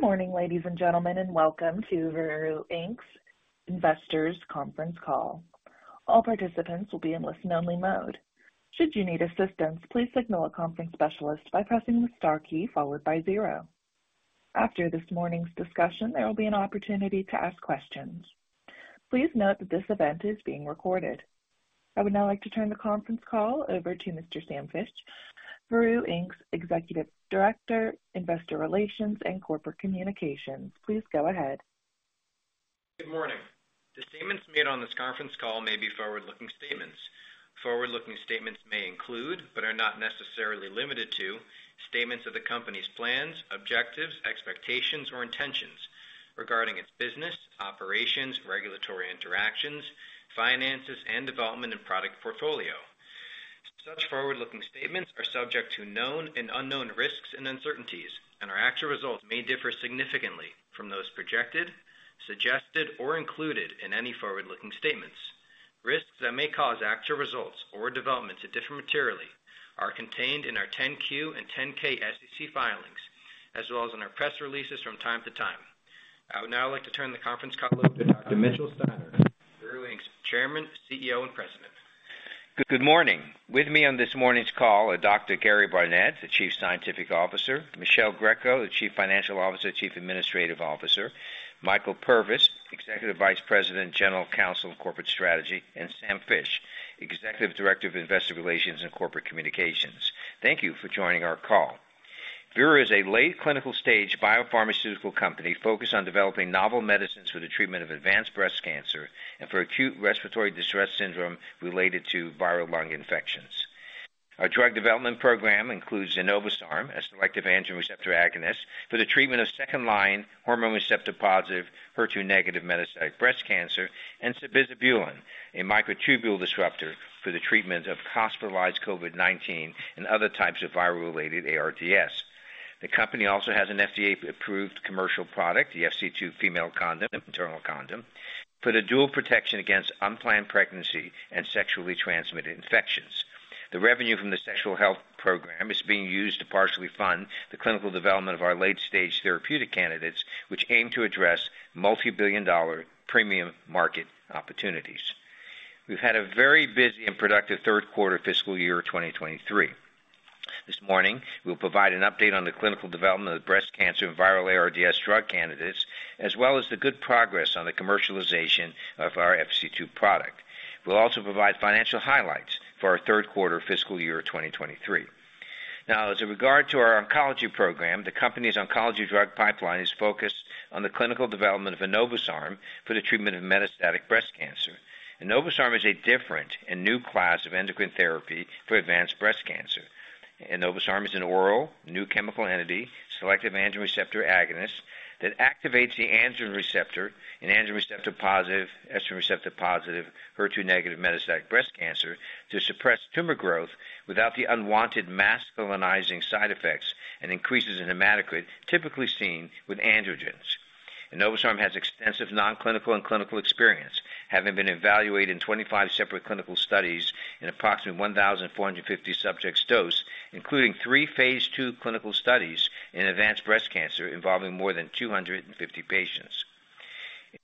Good morning, ladies and gentlemen, and welcome to Veru Inc.'s Investors Conference Call. All participants will be in listen-only mode. Should you need assistance, please signal a conference specialist by pressing the star key followed by zero. After this morning's discussion, there will be an opportunity to ask questions. Please note that this event is being recorded. I would now like to turn the conference call over to Mr. Samuel Fisch, Veru Inc.'s Executive Director, Investor Relations and Corporate Communications. Please go ahead. Good morning. The statements made on this conference call may be forward-looking statements. Forward-looking statements may include, but are not necessarily limited to, statements of the company's plans, objectives, expectations, or intentions regarding its business, operations, regulatory interactions, finances, and development and product portfolio. Such forward-looking statements are subject to known and unknown risks and uncertainties, and our actual results may differ significantly from those projected, suggested, or included in any forward-looking statements. Risks that may cause actual results or developments to differ materially are contained in our Form 10-Q and Form 10-K SEC filings, as well as in our press releases from time to time. I would now like to turn the conference call over to Mitchell S. Steiner, Veru Inc.'s Chairman, CEO, and President. Good morning. With me on this morning's call are Dr. Gary Barnette, the Chief Scientific Officer, Michele Greco, the Chief Financial Officer, Chief Administrative Officer, Michael Purvis, Executive Vice President, General Counsel, and Corporate Strategy, and Samuel Fisch, Executive Director of Investor Relations and Corporate Communications. Thank you for joining our call. Veru is a late clinical stage biopharmaceutical company focused on developing novel medicines for the treatment of advanced breast cancer and for acute respiratory distress syndrome related to viral lung infections. Our drug development program includes enobosarm, a selective androgen receptor agonist for the treatment of second-line hormone receptor-positive, HER2 negative metastatic breast cancer, and sabizabulin, a microtubule disruptor for the treatment of hospitalized COVID-19 and other types of viral-related ARDS. The company also has an FDA-approved commercial product, the FC2 female condom, internal condom, for the dual protection against unplanned pregnancy and sexually transmitted infections. The revenue from the sexual health program is being used to partially fund the clinical development of our late-stage therapeutic candidates, which aim to address multibillion-dollar premium market opportunities. We've had a very busy and productive Q3 fiscal year 2023. This morning, we'll provide an update on the clinical development of breast cancer and viral ARDS drug candidates, as well as the good progress on the commercialization of our FC2 product. We'll also provide financial highlights for our Q3 fiscal year of 2023. As a regard to our oncology program, the company's oncology drug pipeline is focused on the clinical development of enobosarm for the treatment of metastatic breast cancer. Enobosarm is a different and new class of endocrine therapy for advanced breast cancer. enobosarm is an oral new chemical entity, selective androgen receptor agonist that activates the androgen receptor and androgen receptor-positive, estrogen receptor-positive, HER2 negative metastatic breast cancer to suppress tumor growth without the unwanted masculinizing side effects and increases in hematocrit typically seen with androgens. enobosarm has extensive non-clinical and clinical experience, having been evaluated in 25 separate clinical studies in approximately 1,450 subjects dosed, including three phase II clinical studies in advanced breast cancer involving more than 250 patients.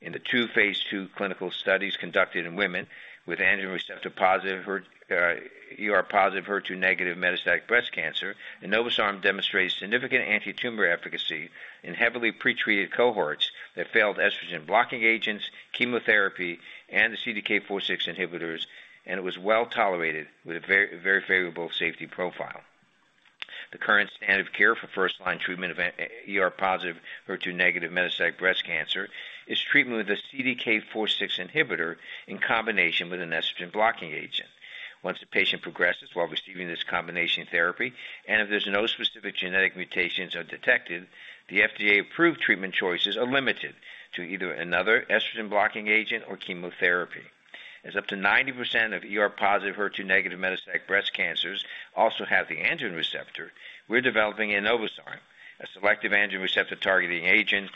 In the two phase II clinical studies conducted in women with androgen receptor-positive, ER-positive, HER2 negative metastatic breast cancer, enobosarm demonstrated significant antitumor efficacy in heavily pretreated cohorts that failed estrogen blocking agents, chemotherapy, and the CDK4/6 inhibitors, and it was well-tolerated with a very, very favorable safety profile. The current standard of care for first-line treatment of ER-positive, HER2 negative metastatic breast cancer is treatment with a CDK4/6 inhibitor in combination with an estrogen blocking agent. Once the patient progresses while receiving this combination therapy, and if there's no specific genetic mutations are detected, the FDA-approved treatment choices are limited to either another estrogen blocking agent or chemotherapy. As up to 90% of ER-positive, HER2 negative metastatic breast cancers also have the androgen receptor, we're developing enobosarm, a selective androgen receptor targeting agent,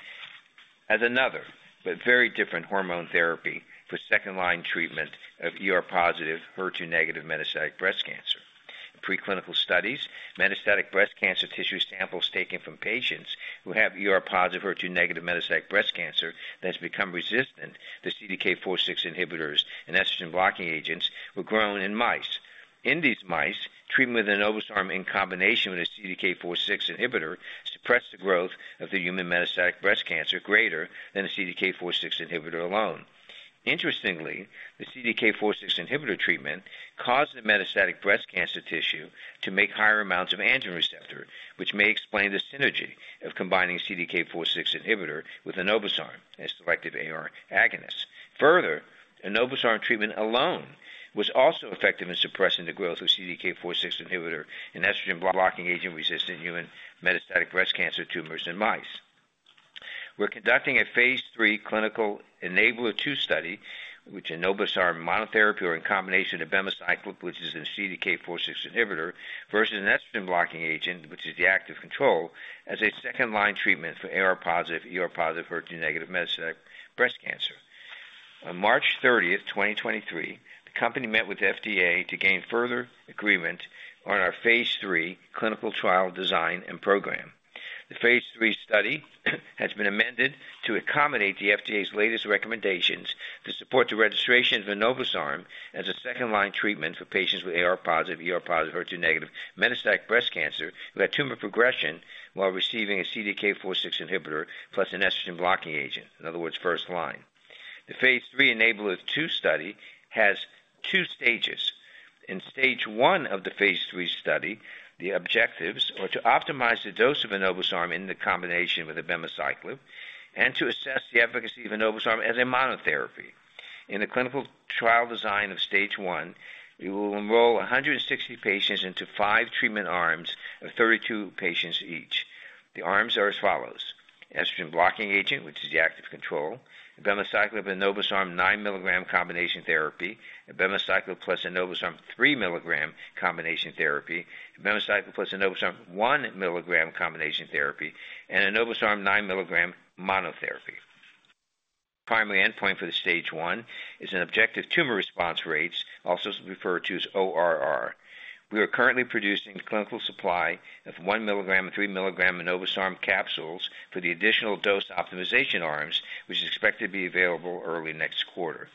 as another but very different hormone therapy for second-line treatment of ER-positive, HER2 negative metastatic breast cancer. Preclinical studies, metastatic breast cancer tissue samples taken from patients who have ER-positive, HER2 negative metastatic breast cancer that has become resistant to CDK4/6 inhibitors and estrogen blocking agents were grown in mice. In these mice, treatment with enobosarm in combination with a CDK4/6 inhibitor suppressed the growth of the human metastatic breast cancer greater than the CDK4/6 inhibitor alone. Interestingly, the CDK4/6 inhibitor treatment caused the metastatic breast cancer tissue to make higher amounts of androgen receptor, which may explain the synergy of combining CDK4/6 inhibitor with enobosarm as selective AR agonist. Further, enobosarm treatment alone was also effective in suppressing the growth of CDK4/6 inhibitor and estrogen blocking agent-resistant human metastatic breast cancer tumors in mice. We're conducting a phase III clinical ENABLAR-2 study, which enobosarm monotherapy or in combination abemaciclib, which is a CDK4/6 inhibitor, versus an estrogen blocking agent, which is the active control, as a second-line treatment for AR-positive, ER-positive, HER2 negative metastatic breast cancer. On March 30, 2023, the company met with the FDA to gain further agreement on our phase III clinical trial design and program. The phase III study has been amended to accommodate the FDA's latest recommendations to support the registration of enobosarm as a second-line treatment for patients with AR-positive, ER-positive, HER2 negative metastatic breast cancer, who had tumor progression while receiving a CDK4/6 inhibitor, plus an estrogen blocking agent. In other words, first line. The phase III ENABLAR-2 study has two stages. In stage 1 of the phase III study, the objectives are to optimize the dose of enobosarm in the combination with abemaciclib, and to assess the efficacy of enobosarm as a monotherapy. In the clinical trial design of stage 1, we will enroll 160 patients into 5 treatment arms of 32 patients each. The arms are as follows: estrogen blocking agent, which is the active control, abemaciclib enobosarm 9 mg combination therapy, abemaciclib plus enobosarm 3 mg combination therapy, abemaciclib plus enobosarm 1 mg combination therapy, and enobosarm 9 mg monotherapy. Primary endpoint for the stage 1 is an objective tumor response rates, also referred to as ORR. We are currently producing clinical supply of 1 mg and 3 mg enobosarm capsules for the additional dose optimization arms, which is expected to be available early next quarter.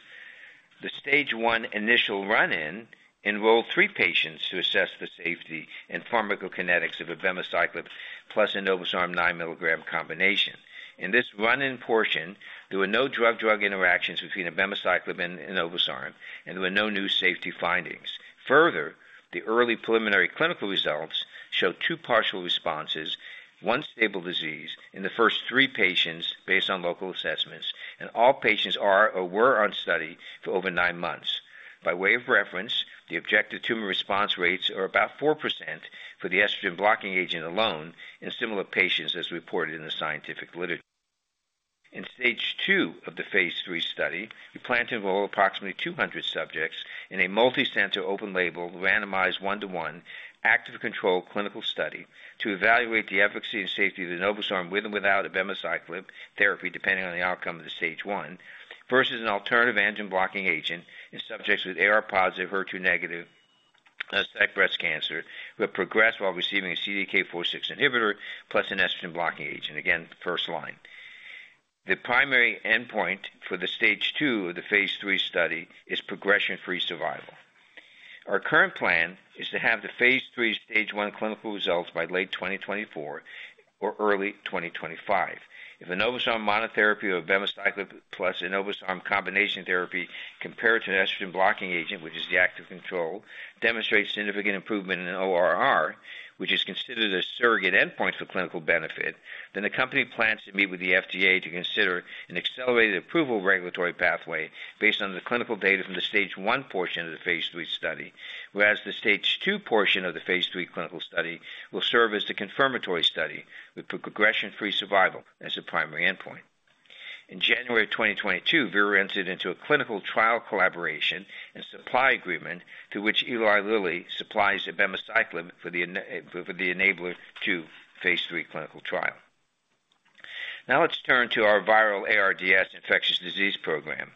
The stage 1 initial run-in enrolled 3 patients to assess the safety and pharmacokinetics of abemaciclib, plus enobosarm 9 milligram combination. In this run-in portion, there were no drug-drug interactions between abemaciclib and enobosarm, and there were no new safety findings. Further, the early preliminary clinical results showed 2 partial responses, 1 stable disease in the first 3 patients based on local assessments, and all patients are or were on study for over 9 months. By way of reference, the objective tumor response rates are about 4% for the estrogen blocking agent alone in similar patients, as reported in the scientific literature. In phase II of the phase III study, we plan to enroll approximately 200 subjects in a multicenter, open label, randomized 1-to-1 active controlled clinical study, to evaluate the efficacy and safety of enobosarm with and without abemaciclib therapy, depending on the outcome of the stage 1, versus an alternative antigen blocking agent in subjects with AR-positive, HER2 negative breast cancer, who have progressed while receiving a CDK4/6 inhibitor, plus an estrogen blocking agent. Again, first line. The primary endpoint for the stage 2 of the phase III study is progression-free survival. Our current plan is to have the phase III, stage 1 clinical results by late 2024 or early 2025. If enobosarm monotherapy or abemaciclib plus enobosarm combination therapy, compared to an estrogen blocking agent, which is the active control, demonstrates significant improvement in ORR, which is considered a surrogate endpoint for clinical benefit, the company plans to meet with the FDA to consider an accelerated approval regulatory pathway based on the clinical data from the stage one portion of the phase III study. The stage two portion of the phase III clinical study will serve as the confirmatory study with progression-free survival as a primary endpoint. In January of 2022, Veru entered into a clinical trial collaboration and supply agreement to which Eli Lilly and Company supplies abemaciclib for the ENABLAR-2 phase III clinical trial. Let's turn to our viral ARDS infectious disease program.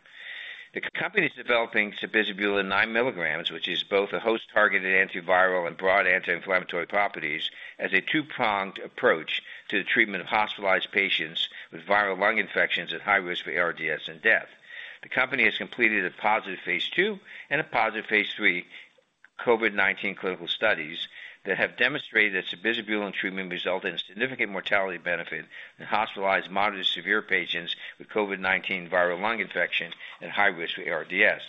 The company is developing sabizabulin 9 milligrams, which is both a host-targeted antiviral and broad anti-inflammatory properties, as a two-pronged approach to the treatment of hospitalized patients with viral lung infections at high risk for ARDS and death. The company has completed a positive phase II and a positive phase III COVID-19 clinical studies that have demonstrated that sabizabulin treatment resulted in significant mortality benefit in hospitalized moderate to severe patients with COVID-19 viral lung infection and high risk for ARDS.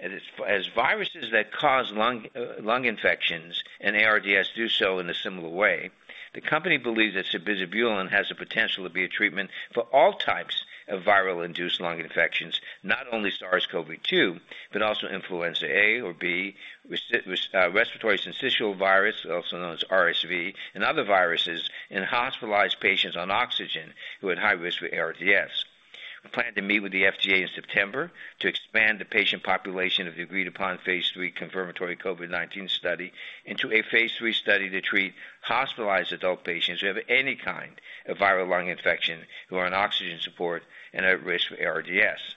As, as viruses that cause lung, lung infections and ARDS do so in a similar way, the company believes that sabizabulin has the potential to be a treatment for all types of viral-induced lung infections, not only SARS-CoV-2, but also influenza A or B, respiratory syncytial virus, also known as RSV, and other viruses in hospitalized patients on oxygen who are at high risk for ARDS. We plan to meet with the FDA in September to expand the patient population of the agreed-upon phase III confirmatory COVID-19 study into a phase III study to treat hospitalized adult patients who have any kind of viral lung infection, who are on oxygen support and at risk for ARDS.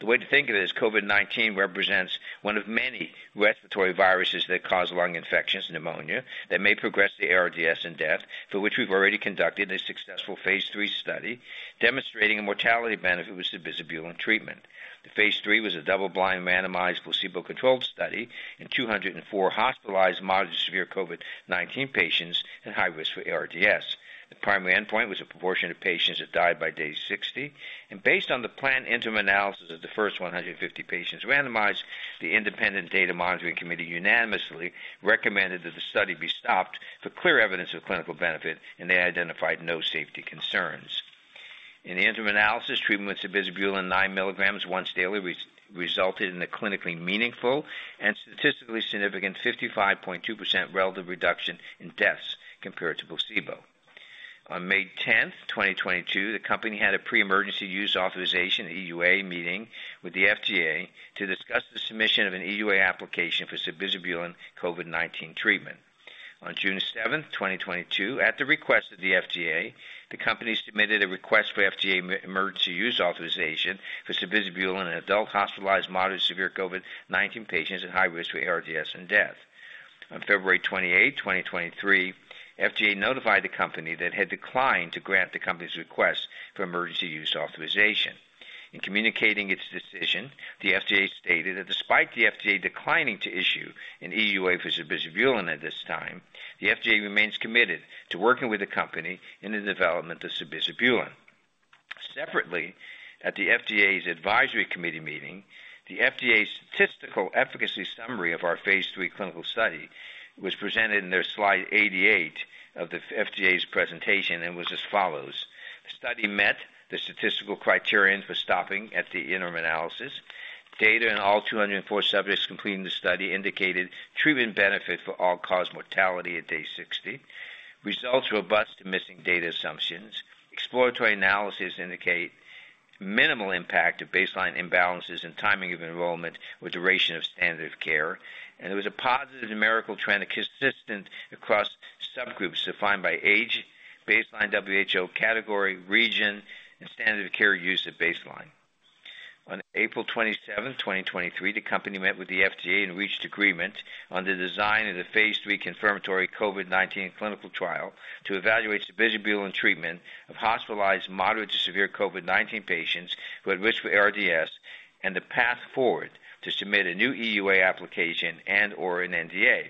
The way to think of it is COVID-19 represents one of many respiratory viruses that cause lung infections, pneumonia, that may progress to ARDS and death, for which we've already conducted a successful phase III study demonstrating a mortality benefit with sabizabulin treatment. The phase III was a double-blind, randomized, placebo-controlled study in 204 hospitalized mild to severe COVID-19 patients and high risk for ARDS. The primary endpoint was a proportion of patients that died by day 60, and based on the planned interim analysis of the first 150 patients randomized, the independent data monitoring committee unanimously recommended that the study be stopped for clear evidence of clinical benefit, and they identified no safety concerns. In the interim analysis, treatment with sabizabulin 9 milligrams once daily resulted in a clinically meaningful and statistically significant 55.2% relative reduction in deaths compared to placebo. On May 10th, 2022, the company had a pre-emergency use authorization, EUA, meeting with the FDA to discuss the submission of an EUA application for sabizabulin COVID-19 treatment. On June 7th, 2022, at the request of the FDA, the company submitted a request for FDA Emergency Use Authorization for sabizabulin in adult hospitalized moderate severe COVID-19 patients at high risk for ARDS and death. On February 28th, 2023, FDA notified the company that it had declined to grant the company's request for emergency use authorization. In communicating its decision, the FDA stated that despite the FDA declining to issue an EUA for sabizabulin at this time, the FDA remains committed to working with the company in the development of sabizabulin. Separately, at the FDA's advisory committee meeting, the FDA's statistical efficacy summary of our phase III clinical study was presented in their slide 88 of the FDA's presentation and was as follows: The study met the statistical criterion for stopping at the interim analysis. Data in all 204 subjects completing the study indicated treatment benefit for all-cause mortality at day 60. Results robust to missing data assumptions. Exploratory analyses indicate minimal impact of baseline imbalances and timing of enrollment with duration of standard of care. There was a positive numerical trend consistent across subgroups defined by age, baseline WHO category, region, and standard of care use at baseline. On April 27, 2023, the company met with the FDA and reached agreement on the design of the phase III confirmatory COVID-19 clinical trial to evaluate sabizabulin treatment of hospitalized moderate to severe COVID-19 patients who at risk for ARDS and the path forward to submit a new EUA application and/or an NDA.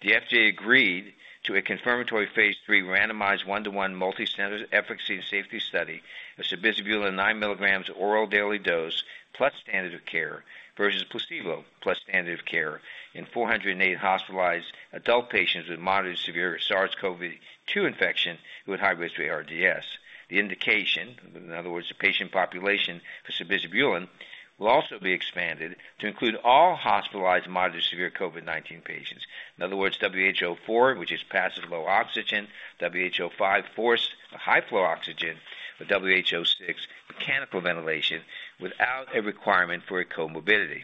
The FDA agreed to a confirmatory phase III randomized one-to-one, multicenter efficacy and safety study of sabizabulin 9 milligrams oral daily dose plus standard of care, versus placebo plus standard of care in 408 hospitalized adult patients with moderate severe SARS-CoV-2 infection with high risk for ARDS. The indication, in other words, the patient population for sabizabulin, will also be expanded to include all hospitalized moderate severe COVID-19 patients. In other words, WHO 4, which is passive low oxygen, WHO 5, forced high flow oxygen, or WHO 6, mechanical ventilation without a requirement for a comorbidity.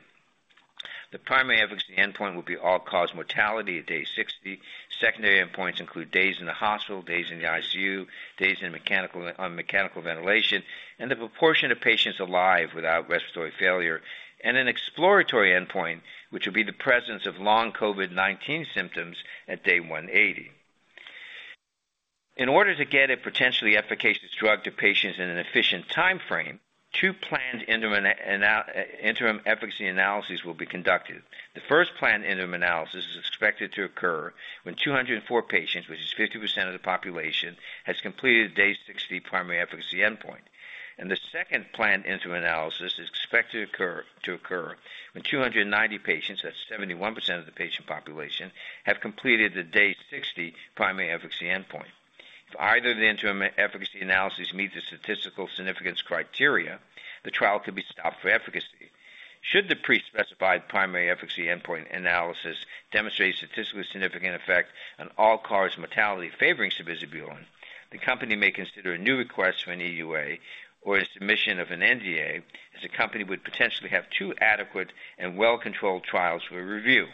The primary efficacy endpoint will be all-cause mortality at day 60. Secondary endpoints include days in the hospital, days in the ICU, days on mechanical ventilation, and the proportion of patients alive without respiratory failure, and an exploratory endpoint, which will be the presence of long COVID-19 symptoms at day 180. In order to get a potentially efficacious drug to patients in an efficient timeframe, 2 planned interim efficacy analyses will be conducted. The first planned interim analysis is expected to occur when 204 patients, which is 50% of the population, has completed day 60 primary efficacy endpoint. The second planned interim analysis is expected to occur when 290 patients, that's 71% of the patient population, have completed the day 60 primary efficacy endpoint. If either of the interim efficacy analyses meet the statistical significance criteria, the trial could be stopped for efficacy. Should the pre-specified primary efficacy endpoint analysis demonstrate statistically significant effect on all-cause mortality favoring sabizabulin, the company may consider a new request for an EUA or a submission of an NDA, as the company would potentially have two adequate and well-controlled trials for review.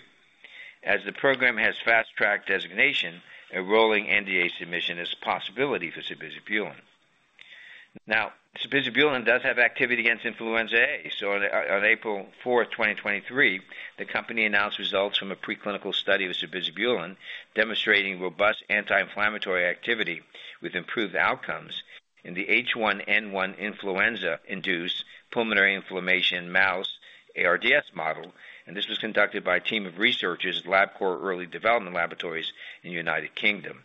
As the program has Fast Track designation, a rolling NDA submission is a possibility for sabizabulin. Sabizabulin does have activity against influenza A. On April 4, 2023, the company announced results from a preclinical study of sabizabulin, demonstrating robust anti-inflammatory activity with improved outcomes in the H1N1 influenza-induced pulmonary inflammation mouse ARDS model. This was conducted by a team of researchers at Labcorp Early Development Laboratories in the United Kingdom.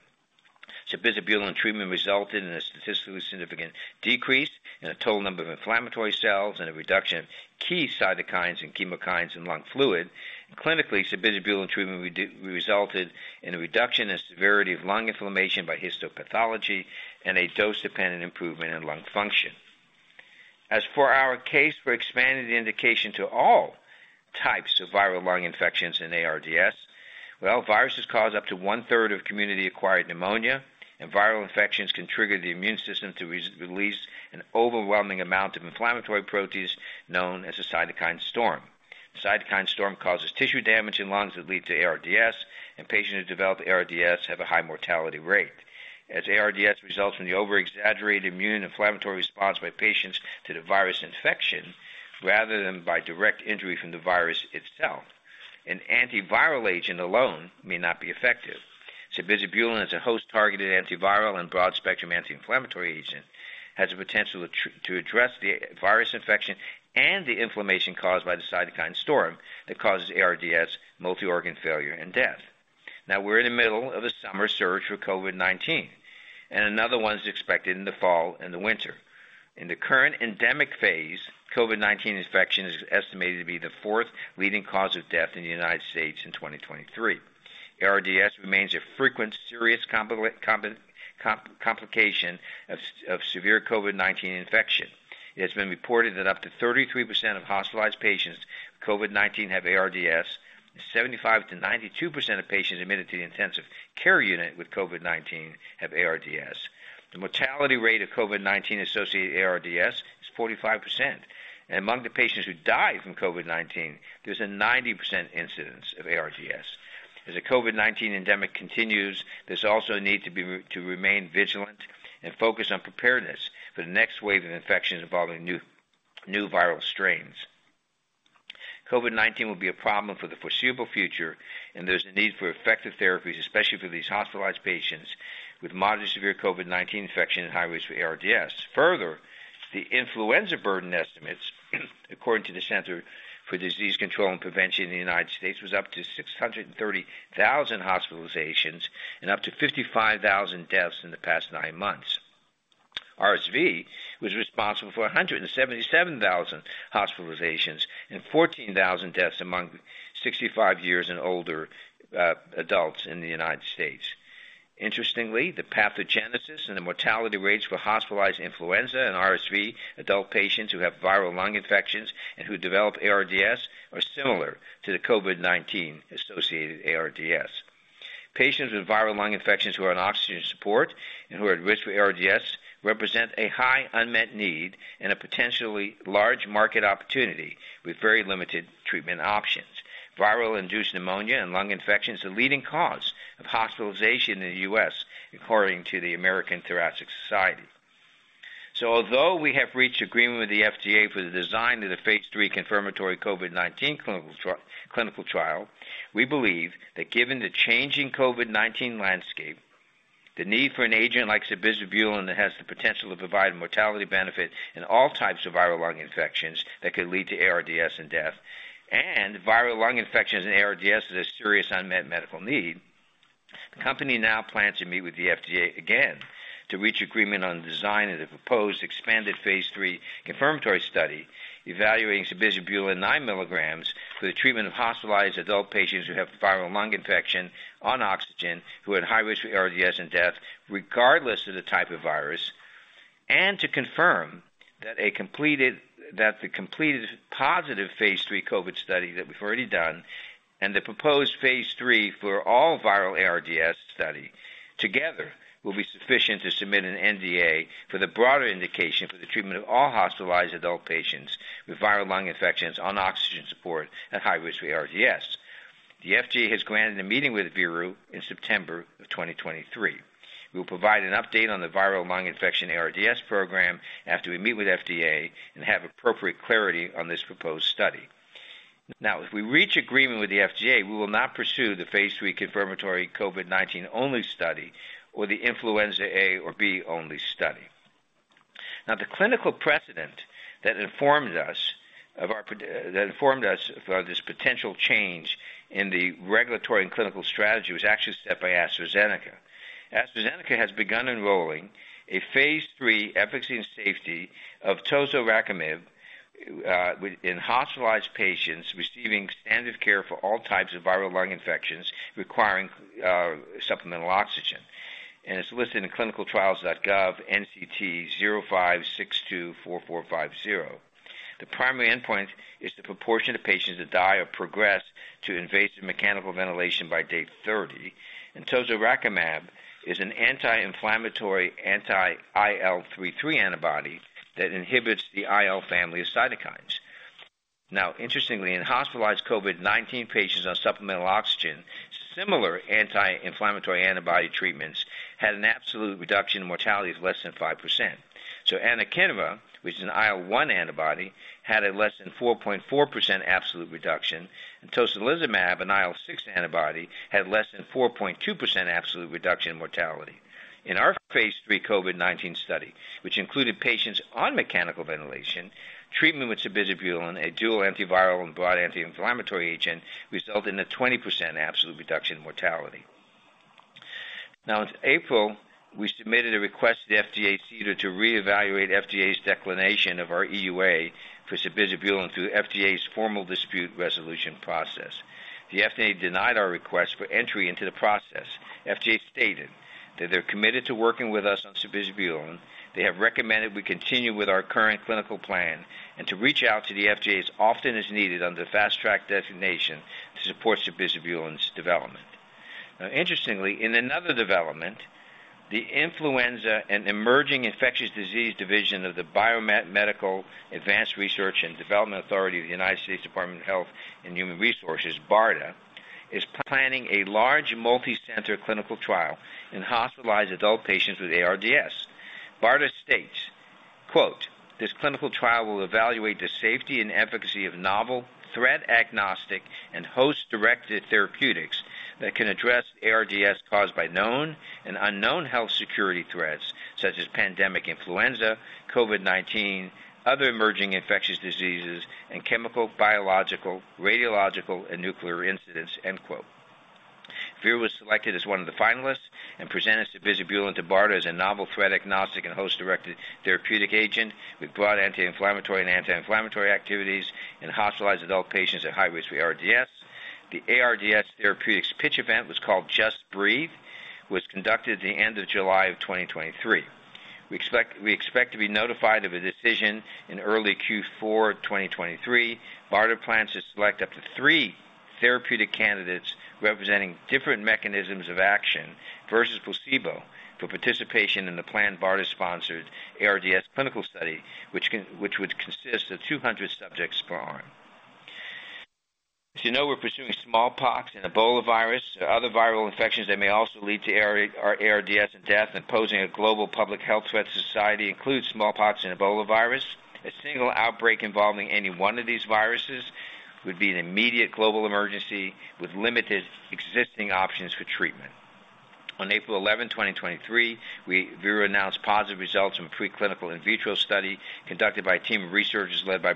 Sabizabulin treatment resulted in a statistically significant decrease in the total number of inflammatory cells and a reduction in key cytokines and chemokines in lung fluid. Clinically, sabizabulin treatment resulted in a reduction in severity of lung inflammation by histopathology and a dose-dependent improvement in lung function. As for our case, for expanding the indication to all types of viral lung infections and ARDS, well, viruses cause up to 1/3 of community-acquired pneumonia. Viral infections can trigger the immune system to re-release an overwhelming amount of inflammatory proteins known as a cytokine storm. Cytokine storm causes tissue damage in lungs that lead to ARDS, and patients who develop ARDS have a high mortality rate. As ARDS results from the over-exaggerated immune inflammatory response by patients to the virus infection, rather than by direct injury from the virus itself, an antiviral agent alone may not be effective. sabizabulin, as a host-targeted antiviral and broad-spectrum anti-inflammatory agent, has the potential to address the virus infection and the inflammation caused by the cytokine storm that causes ARDS, multi-organ failure, and death. Now, we're in the middle of a summer surge for COVID-19, and another one is expected in the fall and the winter. In the current endemic phase, COVID-19 infection is estimated to be the fourth leading cause of death in the United States in 2023. ARDS remains a frequent, serious complication of severe COVID-19 infection. It has been reported that up to 33% of hospitalized patients with COVID-19 have ARDS, and 75%-92% of patients admitted to the intensive care unit with COVID-19 have ARDS. The mortality rate of COVID-19-associated ARDS is 45%, and among the patients who die from COVID-19, there's a 90% incidence of ARDS. As the COVID-19 endemic continues, there's also a need to remain vigilant. Focus on preparedness for the next wave of infections involving new viral strains. COVID-19 will be a problem for the foreseeable future, and there's a need for effective therapies, especially for these hospitalized patients with moderate severe COVID-19 infection and high risk for ARDS. The influenza burden estimates, according to the Centers for Disease Control and Prevention in the United States, was up to 630,000 hospitalizations and up to 55,000 deaths in the past 9 months. RSV was responsible for 177,000 hospitalizations and 14,000 deaths among 65 years and older adults in the United States. Interestingly, the pathogenesis and the mortality rates for hospitalized influenza and RSV adult patients who have viral lung infections and who develop ARDS are similar to the COVID-19 associated ARDS. Patients with viral lung infections who are on oxygen support and who are at risk for ARDS represent a high unmet need and a potentially large market opportunity with very limited treatment options. Viral-induced pneumonia and lung infection is the leading cause of hospitalization in the U.S., according to the American Thoracic Society. Although we have reached agreement with the FDA for the design of the phase III confirmatory COVID-19 clinical trial, we believe that given the changing COVID-19 landscape, the need for an agent like sabizabulin that has the potential to provide mortality benefit in all types of viral lung infections that could lead to ARDS and death, and viral lung infections and ARDS is a serious unmet medical need. The company now plans to meet with the FDA again, to reach agreement on the design of the proposed expanded phase III confirmatory study, evaluating sabizabulin 9 milligrams for the treatment of hospitalized adult patients who have viral lung infection on oxygen, who are at high risk for ARDS and death, regardless of the type of virus, and to confirm that the completed positive phase III COVID study that we've already done and the proposed phase III for all viral ARDS study together will be sufficient to submit an NDA for the broader indication for the treatment of all hospitalized adult patients with viral lung infections on oxygen support at high risk for ARDS. The FDA has granted a meeting with Veru in September of 2023. We will provide an update on the viral lung infection ARDS program after we meet with FDA and have appropriate clarity on this proposed study. If we reach agreement with the FDA, we will not pursue the phase III confirmatory COVID-19 only study or the influenza A or B only study. The clinical precedent that informed us of our that informed us of this potential change in the regulatory and clinical strategy was actually set by AstraZeneca. AstraZeneca has begun enrolling a phase III efficacy and safety of tozorakimab with in hospitalized patients receiving standard care for all types of viral lung infections requiring supplemental oxygen, and it's listed in ClinicalTrials.gov NCT05624450. The primary endpoint is the proportion of patients that die or progress to invasive mechanical ventilation by day 30. Tozorakimab is an anti-inflammatory anti-IL-33 antibody that inhibits the IL family of cytokines. Now, interestingly, in hospitalized COVID-19 patients on supplemental oxygen, similar anti-inflammatory antibody treatments had an absolute reduction in mortality of less than 5%. Anakinra, which is an IL-1 antibody, had a less than 4.4% absolute reduction, and tocilizumab, an IL-6 antibody, had less than 4.2% absolute reduction in mortality. In our phase III COVID-19 study, which included patients on mechanical ventilation, treatment with sabizabulin, a dual antiviral and broad anti-inflammatory agent, resulted in a 20% absolute reduction in mortality. Now, in April, we submitted a request to the FDA CDER to reevaluate FDA's declination of our EUA for sabizabulin through FDA's formal dispute resolution process. The FDA denied our request for entry into the process. FDA stated that they're committed to working with us on sabizabulin. They have recommended we continue with our current clinical plan and to reach out to the FDA as often as needed under the Fast Track designation to support sabizabulin's development. Interestingly, in another development, the Influenza and Emerging Infectious Diseases Division of the Biomedical Advanced Research and Development Authority of the U.S. Department of Health and Human Services, BARDA, is planning a large multicenter clinical trial in hospitalized adult patients with ARDS. BARDA states, "This clinical trial will evaluate the safety and efficacy of novel, threat-agnostic, and host-directed therapeutics that can address ARDS caused by known and unknown health security threats, such as pandemic influenza, COVID-19, other emerging infectious diseases, and chemical, biological, radiological, and nuclear incidents. Veru was selected as one of the finalists and presented sabizabulin to BARDA as a novel, threat-agnostic, and host-directed therapeutic agent with broad anti-inflammatory and anti-inflammatory activities in hospitalized adult patients at high risk for ARDS. The ARDS Therapeutics pitch event was called Just Breathe, was conducted at the end of July of 2023. We expect to be notified of a decision in early Q4 2023. BARDA plans to select up to three therapeutic candidates representing different mechanisms of action versus placebo for participation in the planned BARDA-sponsored ARDS clinical study, which would consist of 200 subjects per arm. As you know, we're pursuing smallpox and Ebola virus. Other viral infections that may also lead to ARDS and death and posing a global public health threat to society includes smallpox and Ebola virus. A single outbreak involving any one of these viruses would be an immediate global emergency with limited existing options for treatment. On April 11, 2023, we, Veru announced positive results from a preclinical in vitro study conducted by a team of researchers led by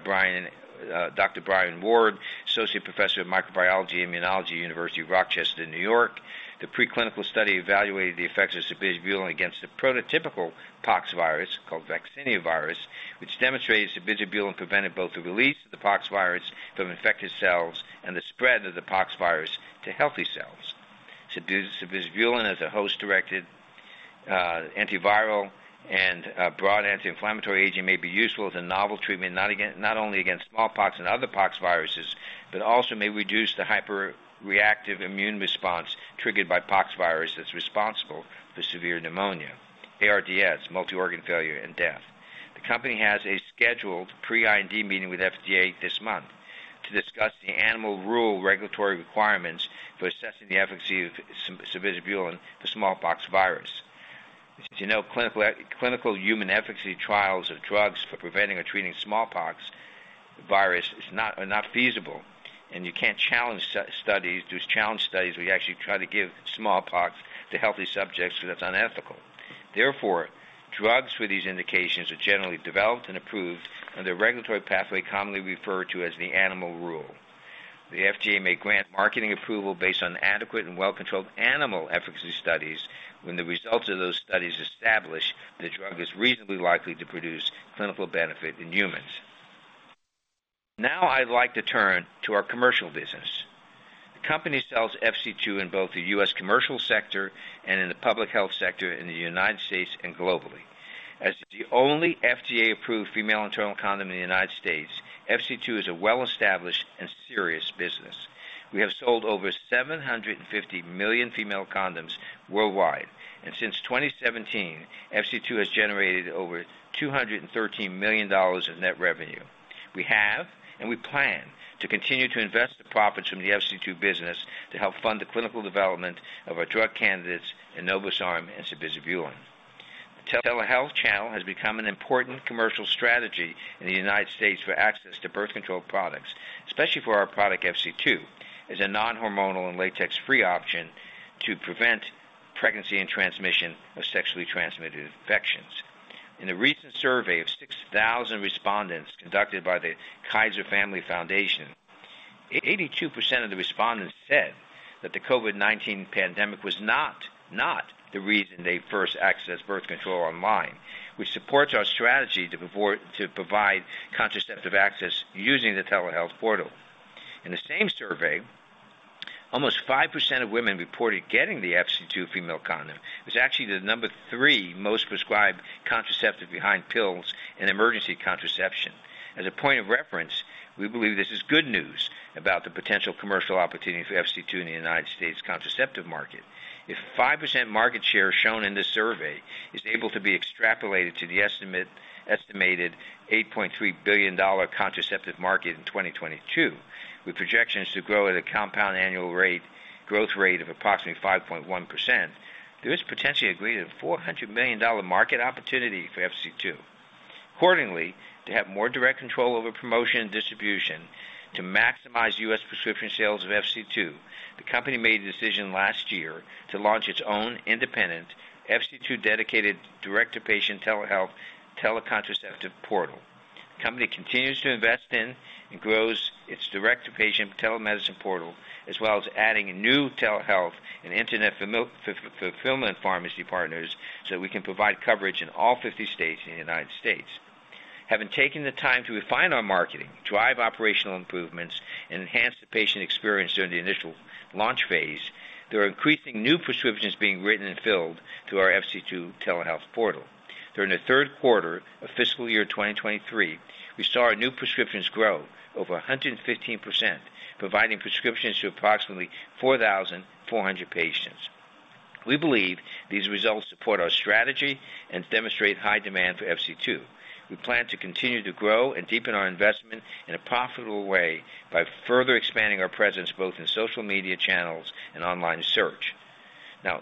Dr. Brian Ward, Associate Professor of Microbiology and Immunology, University of Rochester, New York. The preclinical study evaluated the effects of sabizabulin against the prototypical pox virus called vaccinia virus, which demonstrates sabizabulin prevented both the release of the pox virus from infected cells and the spread of the pox virus to healthy cells. sabizabulin, as a host-directed antiviral and a broad anti-inflammatory agent, may be useful as a novel treatment, not again, not only against smallpox and other poxvirus, but also may reduce the hyperreactive immune response triggered by poxvirus that's responsible for severe pneumonia, ARDS, multi-organ failure, and death. The company has a scheduled pre-IND meeting with FDA this month to discuss the Animal Rule regulatory requirements for assessing the efficacy of sabizabulin for smallpox virus. As you know, clinical, clinical human efficacy trials of drugs for preventing or treating smallpox virus are not feasible, and you can't challenge studies. Those challenge studies, we actually try to give smallpox to healthy subjects, that's unethical. Therefore, drugs with these indications are generally developed and approved under a regulatory pathway commonly referred to as the Animal Rule. The FDA may grant marketing approval based on adequate and well-controlled animal efficacy studies when the results of those studies establish that the drug is reasonably likely to produce clinical benefit in humans. Now I'd like to turn to our commercial business. The company sells FC2 in both the U.S. commercial sector and in the public health sector in the United States and globally. As the only FDA-approved female internal condom in the United States, FC2 is a well-established and serious business. We have sold over 750 million female condoms worldwide, and since 2017, FC2 has generated over $213 million of net revenue. We have, and we plan to continue to invest the profits from the FC2 business to help fund the clinical development of our drug candidates, enobosarm and sabizabulin. The telehealth channel has become an important commercial strategy in the United States for access to birth control products, especially for our product FC2, as a non-hormonal and latex-free option to prevent pregnancy and transmission of sexually transmitted infections. In a recent survey of 6,000 respondents conducted by the Kaiser Family Foundation, 82% of the respondents said that the COVID-19 pandemic was not, not the reason they first accessed birth control online, which supports our strategy to provide contraceptive access using the telehealth portal. In the same survey, almost 5% of women reported getting the FC2 female condom. It's actually the number 3 most prescribed contraceptive behind pills and emergency contraception. As a point of reference, we believe this is good news about the potential commercial opportunity for FC2 in the United States contraceptive market. If 5% market share shown in this survey is able to be extrapolated to the estimated $8.3 billion contraceptive market in 2022, with projections to grow at a compound annual rate, growth rate of approximately 5.1%, there is potentially a greater $400 million market opportunity for FC2. Accordingly, to have more direct control over promotion and distribution to maximize U.S. prescription sales of FC2, the company made a decision last year to launch its own independent FC2 dedicated direct-to-patient telehealth telecontraceptive portal. The company continues to invest in and grows its direct-to-patient telemedicine portal, as well as adding new telehealth and internet fulfillment pharmacy partners so we can provide coverage in all 50 states in the United States. Having taken the time to refine our marketing, drive operational improvements, and enhance the patient experience during the initial launch phase, there are increasing new prescriptions being written and filled through our FC2 telehealth portal. During the Q3 of fiscal year 2023, we saw our new prescriptions grow over 115%, providing prescriptions to approximately 4,400 patients. We believe these results support our strategy and demonstrate high demand for FC2. We plan to continue to grow and deepen our investment in a profitable way by further expanding our presence both in social media channels and online search. Now,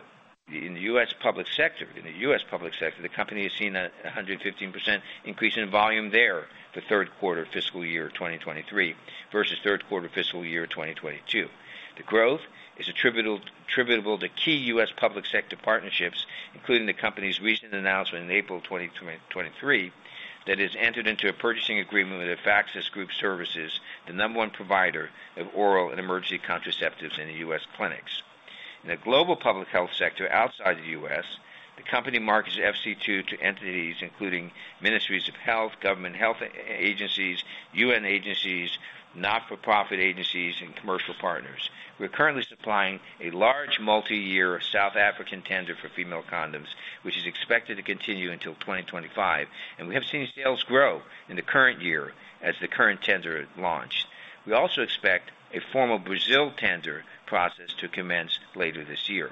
in the U.S. public sector, in the U.S. public sector, the company has seen a 115% increase in volume there the Q3 fiscal year 2023 versus Q3 fiscal year 2022. The growth is attributable to key U.S. public sector partnerships, including the company's recent announcement in April 2023, that it's entered into a purchasing agreement with Afaxys Group Services, the number one provider of oral and emergency contraceptives in the U.S. clinics. In the global public health sector outside the U.S., the company markets FC2 to entities including ministries of health, government health agencies, U.N. agencies, not-for-profit agencies, and commercial partners. We're currently supplying a large, multiyear South African tender for female condoms, which is expected to continue until 2025. We have seen sales grow in the current year as the current tender is launched. We also expect a formal Brazil tender process to commence later this year.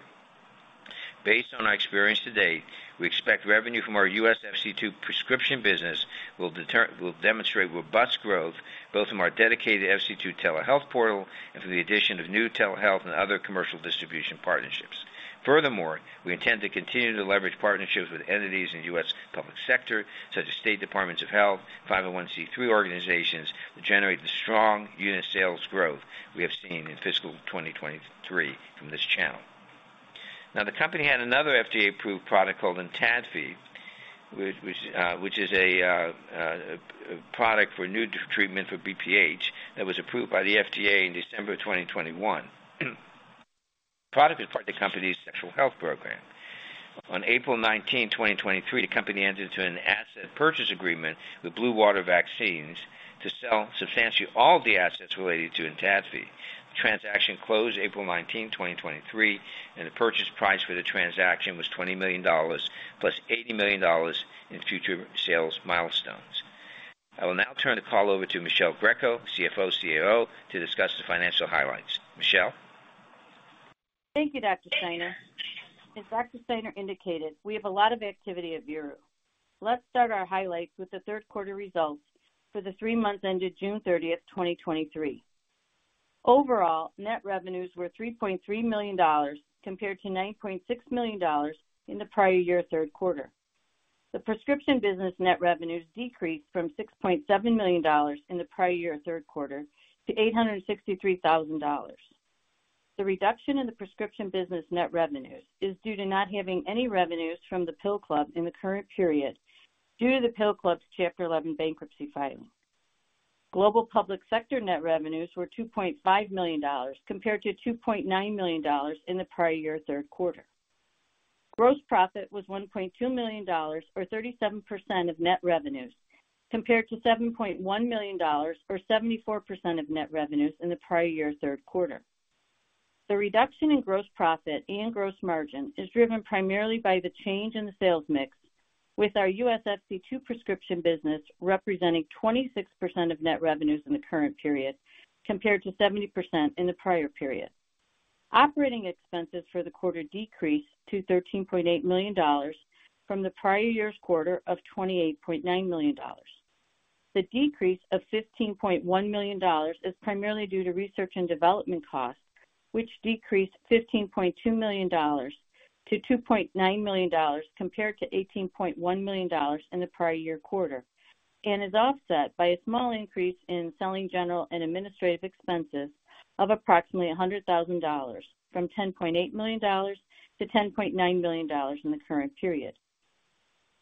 Based on our experience to date, we expect revenue from our U.S. FC2 prescription business will demonstrate robust growth, both from our dedicated FC2 telehealth portal and from the addition of new telehealth and other commercial distribution partnerships. Furthermore, we intend to continue to leverage partnerships with entities in the U.S. public sector, such as state departments of health, 501(c)(3) organizations, to generate the strong unit sales growth we have seen in fiscal 2023 from this channel. The company had another FDA-approved product called ENTADFI, which is a product for new treatment for BPH that was approved by the FDA in December of 2021. The product is part of the company's sexual health program. On April 19, 2023, the company entered into an asset purchase agreement with Blue Water Vaccines to sell substantially all the assets related to ENTADFI. The transaction closed April 19, 2023, and the purchase price for the transaction was $20 million, plus $80 million in future sales milestones. I will now turn the call over to Michele Greco, CFO, COO, to discuss the financial highlights. Michele? Thank you, Dr. Steiner. As Dr. Steiner indicated, we have a lot of activity at Veru. Let's start our highlights with the Q3 results for the three months ended June 30, 2023. Overall, net revenues were $3.3 million, compared to $9.6 million in the prior year Q3. The prescription business net revenues decreased from $6.7 million in the prior year Q3 to $863,000. The reduction in the prescription business net revenues is due to not having any revenues from The Pill Club in the current period due to The Pill Club's Chapter 11 bankruptcy filing. Global public sector net revenues were $2.5 million, compared to $2.9 million in the prior year Q3. Gross profit was $1.2 million, or 37% of net revenues, compared to $7.1 million, or 74% of net revenues in the prior year Q3. The reduction in gross profit and gross margin is driven primarily by the change in the sales mix, with our U.S. FC2 prescription business representing 26% of net revenues in the current period, compared to 70% in the prior period. Operating expenses for the quarter decreased to $13.8 million from the prior year's quarter of $28.9 million. The decrease of $15.1 million is primarily due to research and development costs, which decreased $15.2 million to $2.9 million, compared to $18.1 million in the prior year quarter, and is offset by a small increase in selling, general and administrative expenses of approximately $100,000, from $10.8 million to $10.9 million in the current period.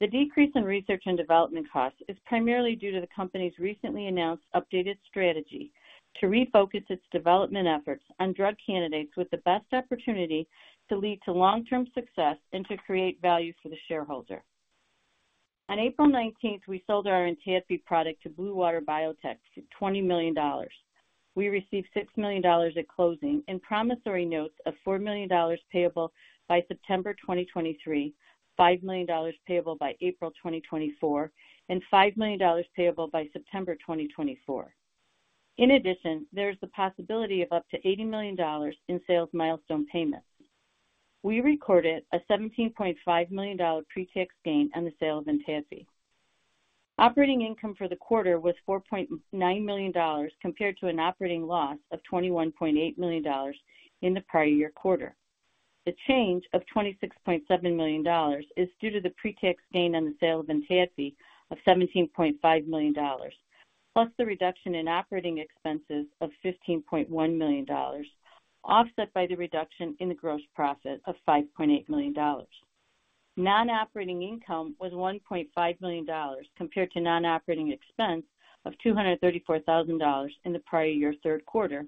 The decrease in research and development costs is primarily due to the company's recently announced updated strategy to refocus its development efforts on drug candidates with the best opportunity to lead to long-term success and to create value for the shareholder. On April 19th, we sold our ENTADFI product to Blue Water Vaccines for $20 million. We received $6 million at closing in promissory notes of $4 million payable by September 2023, $5 million payable by April 2024, and $5 million payable by September 2024. In addition, there is the possibility of up to $80 million in sales milestone payments. We recorded a $17.5 million pretax gain on the sale of ENTADFI. Operating income for the quarter was $4.9 million, compared to an operating loss of $21.8 million in the prior year quarter. The change of $26.7 million is due to the pretax gain on the sale of ENTADFI of $17.5 million, plus the reduction in operating expenses of $15.1 million, offset by the reduction in the gross profit of $5.8 million. Non-operating income was $1.5 million, compared to non-operating expense of $234,000 in the prior year Q3,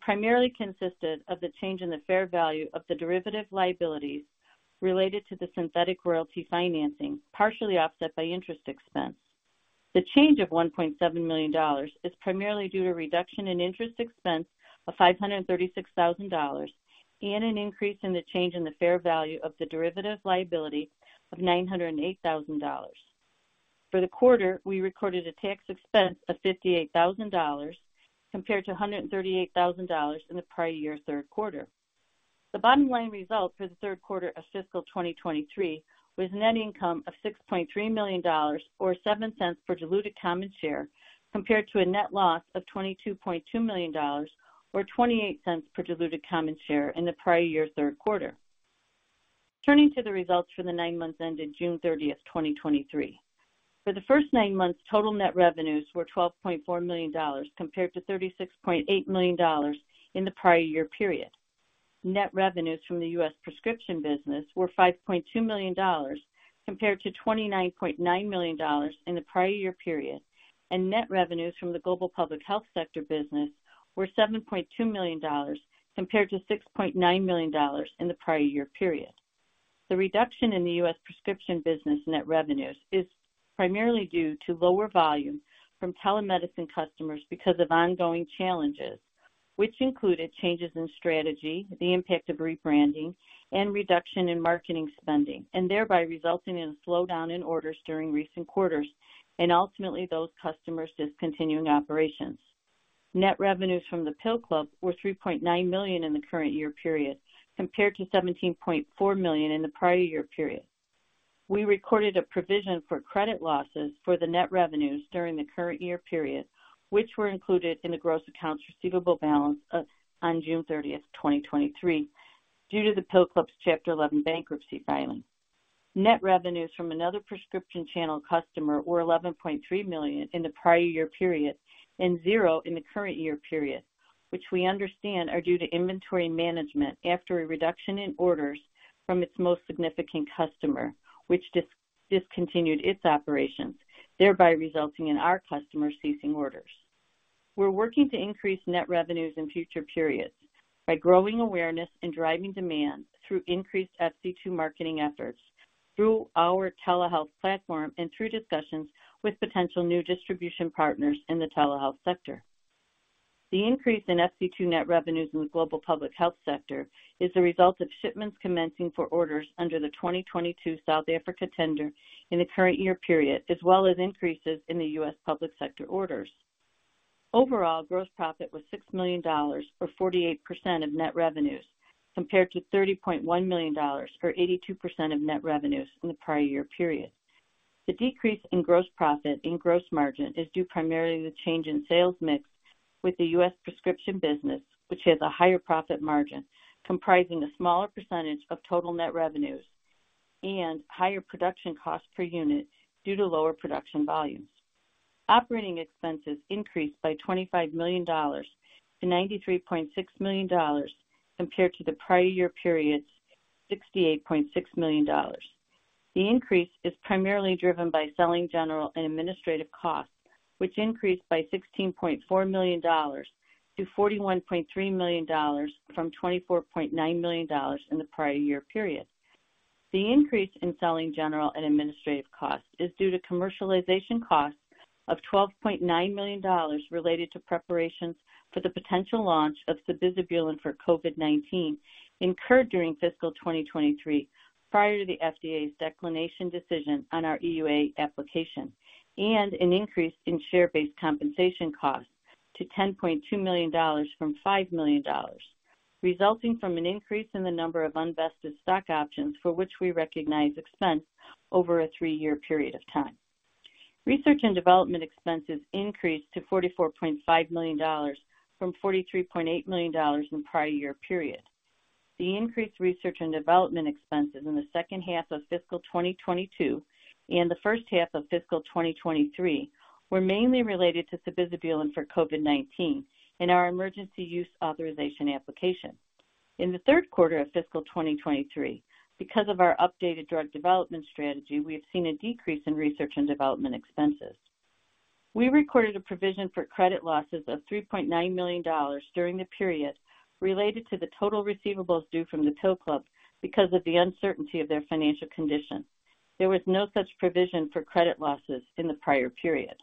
primarily consisted of the change in the fair value of the derivative liabilities related to the synthetic royalty financing, partially offset by interest expense. The change of $1.7 million is primarily due to reduction in interest expense of $536,000, and an increase in the change in the fair value of the derivative liability of $908,000. For the quarter, we recorded a tax expense of $58,000, compared to $138,000 in the prior year Q3. The bottom line results for the Q3 of fiscal 2023 was a net income of $6.3 million, or $0.07 per diluted common share, compared to a net loss of $22.2 million, or $0.28 per diluted common share in the prior year Q3. Turning to the results for the nine months ended June 30th, 2023. For the first nine months, total net revenues were $12.4 million, compared to $36.8 million in the prior year period. Net revenues from the U.S. prescription business were $5.2 million, compared to $29.9 million in the prior year period, and net revenues from the global public health sector business were $7.2 million, compared to $6.9 million in the prior year period. The reduction in the U.S. prescription business net revenues is primarily due to lower volumes from telemedicine customers because of ongoing challenges, which included changes in strategy, the impact of rebranding and reduction in marketing spending, and thereby resulting in a slowdown in orders during recent quarters and ultimately those customers discontinuing operations. Net revenues from The Pill Club were $3.9 million in the current year period, compared to $17.4 million in the prior year period. We recorded a provision for credit losses for the net revenues during the current year period, which were included in the gross accounts receivable balance of, on June 30, 2023, due to The Pill Club's Chapter 11 bankruptcy filing. Net revenues from another prescription channel customer were $11.3 million in the prior year period and $0 in the current year period, which we understand are due to inventory management after a reduction in orders from its most significant customer, which discontinued its operations, thereby resulting in our customers ceasing orders. We're working to increase net revenues in future periods by growing awareness and driving demand through increased FC2 marketing efforts, through our telehealth platform, and through discussions with potential new distribution partners in the telehealth sector. The increase in FC2 net revenues in the global public health sector is a result of shipments commencing for orders under the 2022 South Africa tender in the current year period, as well as increases in the U.S. public sector orders. Overall, gross profit was $6 million, or 48% of net revenues, compared to $30.1 million, or 82% of net revenues in the prior year period. The decrease in gross profit and gross margin is due primarily to the change in sales mix with the U.S. prescription business, which has a higher profit margin, comprising a smaller percentage of total net revenues and higher production costs per unit due to lower production volumes. Operating expenses increased by $25 million to $93.6 million compared to the prior year period's $68.6 million. The increase is primarily driven by selling general and administrative costs, which increased by $16.4 million to $41.3 million from $24.9 million in the prior year period. The increase in selling general and administrative costs is due to commercialization costs of $12.9 million related to preparations for the potential launch of sabizabulin for COVID-19, incurred during fiscal 2023, prior to the FDA's declination decision on our EUA application, and an increase in share-based compensation costs to $10.2 million from $5 million, resulting from an increase in the number of unvested stock options for which we recognize expense over a 3-year period of time. Research and development expenses increased to $44.5 million from $43.8 million in the prior year period. The increased research and development expenses in the second half of fiscal 2022 and the first half of fiscal 2023 were mainly related to sabizabulin for COVID-19 and our Emergency Use Authorization application. In the Q3 of fiscal 2023, because of our updated drug development strategy, we have seen a decrease in research and development expenses. We recorded a provision for credit losses of $3.9 million during the period related to the total receivables due from The Pill Club because of the uncertainty of their financial condition. There was no such provision for credit losses in the prior period.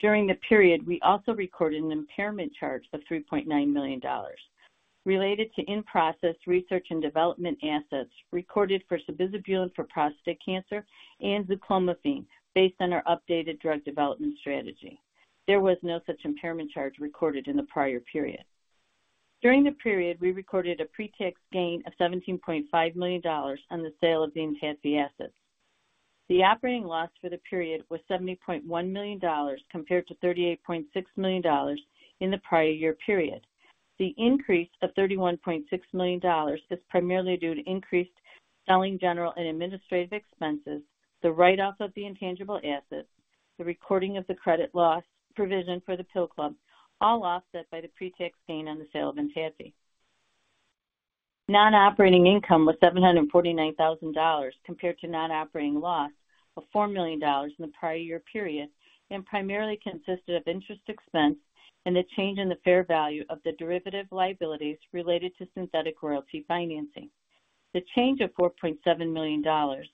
During the period, we also recorded an impairment charge of $3.9 million related to in-process research and development assets recorded for sabizabulin for prostate cancer and Zuclomiphene based on our updated drug development strategy. There was no such impairment charge recorded in the prior period. During the period, we recorded a pre-tax gain of $17.5 million on the sale of the ENTADFI asset. The operating loss for the period was $70.1 million, compared to $38.6 million in the prior year period. The increase of $31.6 million is primarily due to increased selling, general and administrative expenses, the write-off of the intangible assets, the recording of the credit loss provision for The Pill Club, all offset by the pre-tax gain on the sale of ENTADFI. Non-operating income was $749,000, compared to non-operating loss of $4 million in the prior year period, and primarily consisted of interest expense and a change in the fair value of the derivative liabilities related to synthetic royalty financing. The change of $4.7 million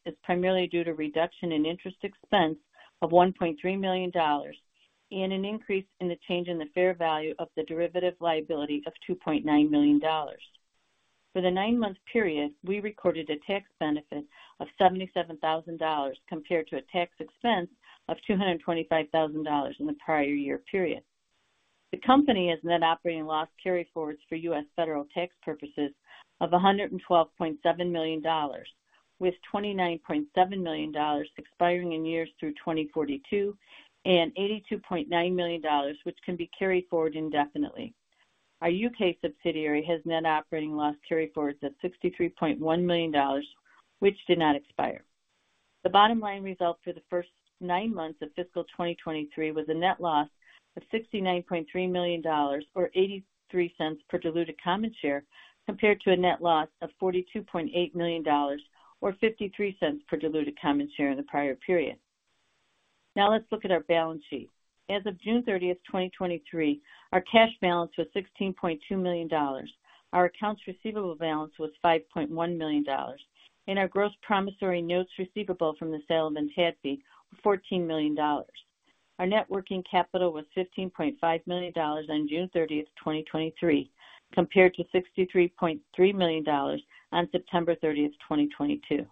is primarily due to reduction in interest expense of $1.3 million and an increase in the change in the fair value of the derivative liability of $2.9 million. For the nine-month period, we recorded a tax benefit of $77,000, compared to a tax expense of $225,000 in the prior year period. The company has net operating loss carryforwards for U.S. federal tax purposes of $112.7 million, with $29.7 million expiring in years through 2042 and $82.9 million, which can be carried forward indefinitely. Our U.K. subsidiary has net operating loss carryforwards of $63.1 million, which did not expire. The bottom line results for the first 9 months of fiscal 2023 was a net loss of $69.3 million, or $0.83 per diluted common share, compared to a net loss of $42.8 million, or $0.53 per diluted common share in the prior period. Now let's look at our balance sheet. As of June 30, 2023, our cash balance was $16.2 million. Our accounts receivable balance was $5.1 million, and our gross promissory notes receivable from the sale of ENTADFI, $14 million. Our net working capital was $15.5 million on June 30th, 2023, compared to $63.3 million on September 30th, 2022.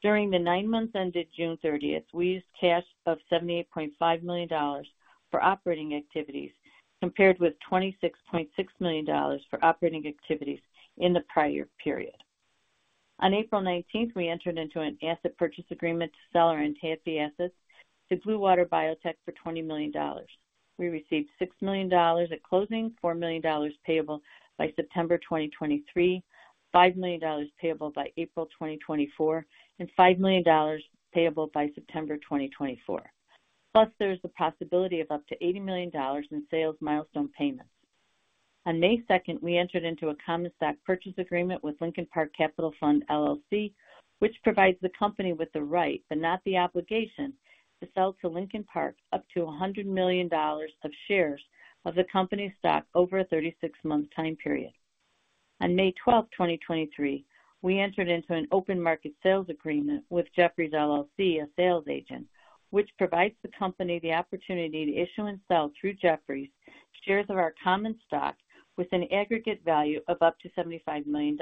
During the 9 months ended June 30th, we used cash of $78.5 million for operating activities, compared with $26.6 million for operating activities in the prior period. On April 19th, we entered into an asset purchase agreement to sell our Intasy assets to Blue Water Vaccines for $20 million. We received $6 million at closing, $4 million payable by September 2023, $5 million payable by April 2024, and $5 million payable by September 2024. Plus, there's a possibility of up to $80 million in sales milestone payments. On May second, we entered into a common stock purchase agreement with Lincoln Park Capital Fund, LLC, which provides the company with the right, but not the obligation, to sell to Lincoln Park up to $100 million of shares of the company's stock over a 36-month time period. On May 12, 2023, we entered into an open market sales agreement with Jefferies, LLC, a sales agent, which provides the company the opportunity to issue and sell through Jefferies, shares of our common stock with an aggregate value of up to $75 million.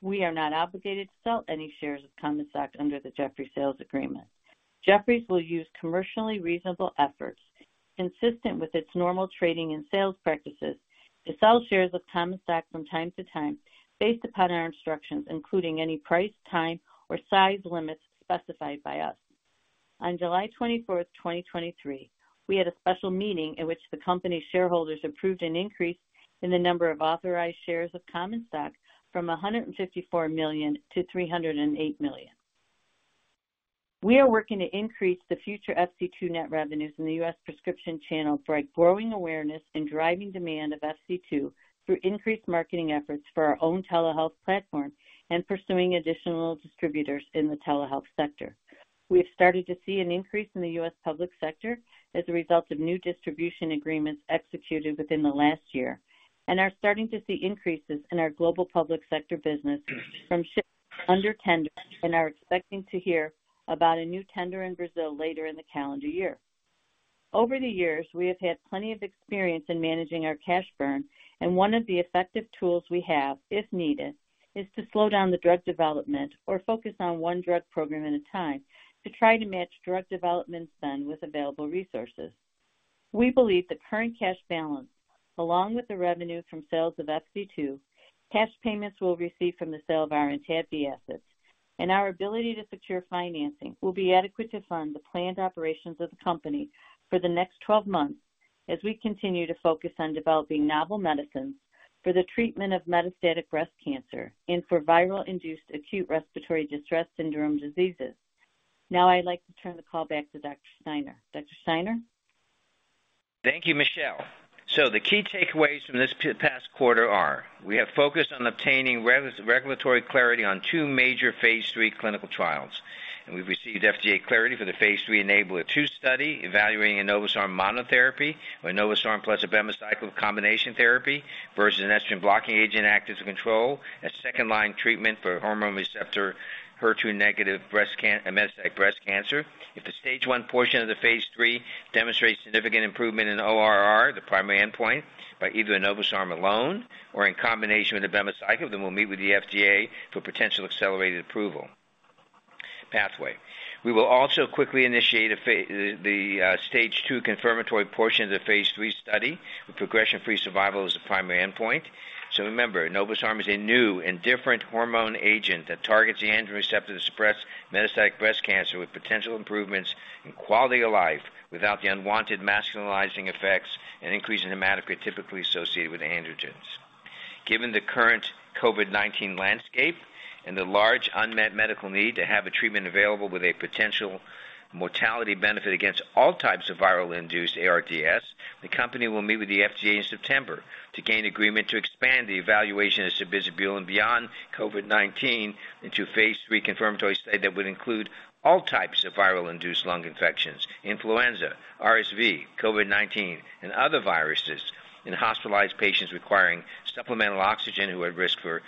We are not obligated to sell any shares of common stock under the Jefferies sales agreement. Jefferies will use commercially reasonable efforts, consistent with its normal trading and sales practices, to sell shares of common stock from time to time based upon our instructions, including any price, time, or size limits specified by us. On July 24th, 2023, we had a special meeting in which the company's shareholders approved an increase in the number of authorized shares of common stock from 154 million to 308 million. We are working to increase the future FC2 net revenues in the U.S. prescription channel by growing awareness and driving demand of FC2 through increased marketing efforts for our own telehealth platform and pursuing additional distributors in the telehealth sector. We have started to see an increase in the U.S. public sector as a result of new distribution agreements executed within the last year, and are starting to see increases in our global public sector business from under tender and are expecting to hear about a new tender in Brazil later in the calendar year. Over the years, we have had plenty of experience in managing our cash burn, and 1 of the effective tools we have, if needed, is to slow down the drug development or focus on 1 drug program at a time to try to match drug development spend with available resources. We believe the current cash balance, along with the revenue from sales of FC2, cash payments we'll receive from the sale of our ENTADFI assets, and our ability to secure financing, will be adequate to fund the planned operations of the company for the next 12 months as we continue to focus on developing novel medicines for the treatment of metastatic breast cancer and for viral-induced acute respiratory distress syndrome diseases. Now, I'd like to turn the call back to Dr. Steiner. Dr. Steiner? Thank you, Michele. The key takeaways from this past quarter are: We have focused on obtaining regulatory clarity on 2 major phase III clinical trials. We've received FDA clarity for the phase III ENABLAR-2 study, evaluating enobosarm monotherapy or enobosarm plus abemaciclib combination therapy versus an estrogen blocking agent, active control, as second-line treatment for hormone receptor, HER2 negative metastatic breast cancer. If the Stage 1 portion of the phase III demonstrates significant improvement in ORR, the primary endpoint, by either enobosarm alone or in combination with abemaciclib, we'll meet with the FDA for potential accelerated approval pathway. We will also quickly initiate the Stage 2 confirmatory portion of the phase III study, with progression-free survival as the primary endpoint. Remember, enobosarm is a new and different hormone agent that targets the androgen receptor to suppress metastatic breast cancer with potential improvements in quality of life, without the unwanted masculinizing effects and increase in hematocrit typically associated with androgens. Given the current COVID-19 landscape and the large unmet medical need to have a treatment available with a potential mortality benefit against all types of viral-induced ARDS, the company will meet with the FDA in September to gain agreement to expand the evaluation of sabizabulin beyond COVID-19 into a phase III confirmatory study that would include all types of viral-induced lung infections, influenza, RSV, COVID-19, and other viruses in hospitalized patients requiring supplemental oxygen who are at risk for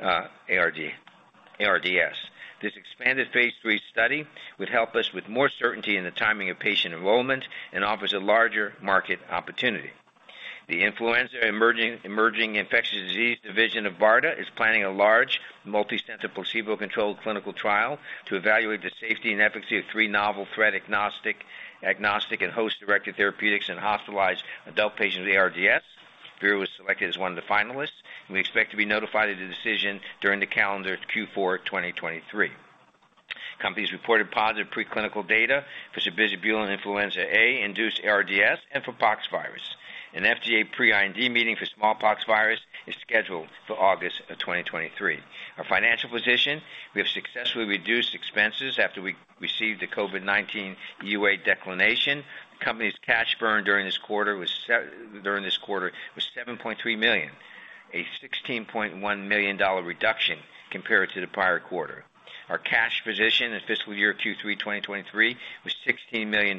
ARDS. This expanded phase III study would help us with more certainty in the timing of patient enrollment and offers a larger market opportunity. The Influenza and Emerging Infectious Diseases Division of BARDA is planning a large, multi-center, placebo-controlled clinical trial to evaluate the safety and efficacy of three novel threat agnostic and host-directed therapeutics in hospitalized adult patients with ARDS. Vir was selected as one of the finalists. We expect to be notified of the decision during the calendar Q4 2023. Company's reported positive preclinical data for sabizabulin influenza A-induced ARDS and for poxvirus. An FDA pre-IND meeting for smallpox virus is scheduled for August of 2023. Our financial position. We have successfully reduced expenses after we received the COVID-19 EUA declination. Company's cash burn during this quarter was $7.3 million, a $16.1 million reduction compared to the prior quarter. Our cash position in fiscal year Q3 2023 was $16 million,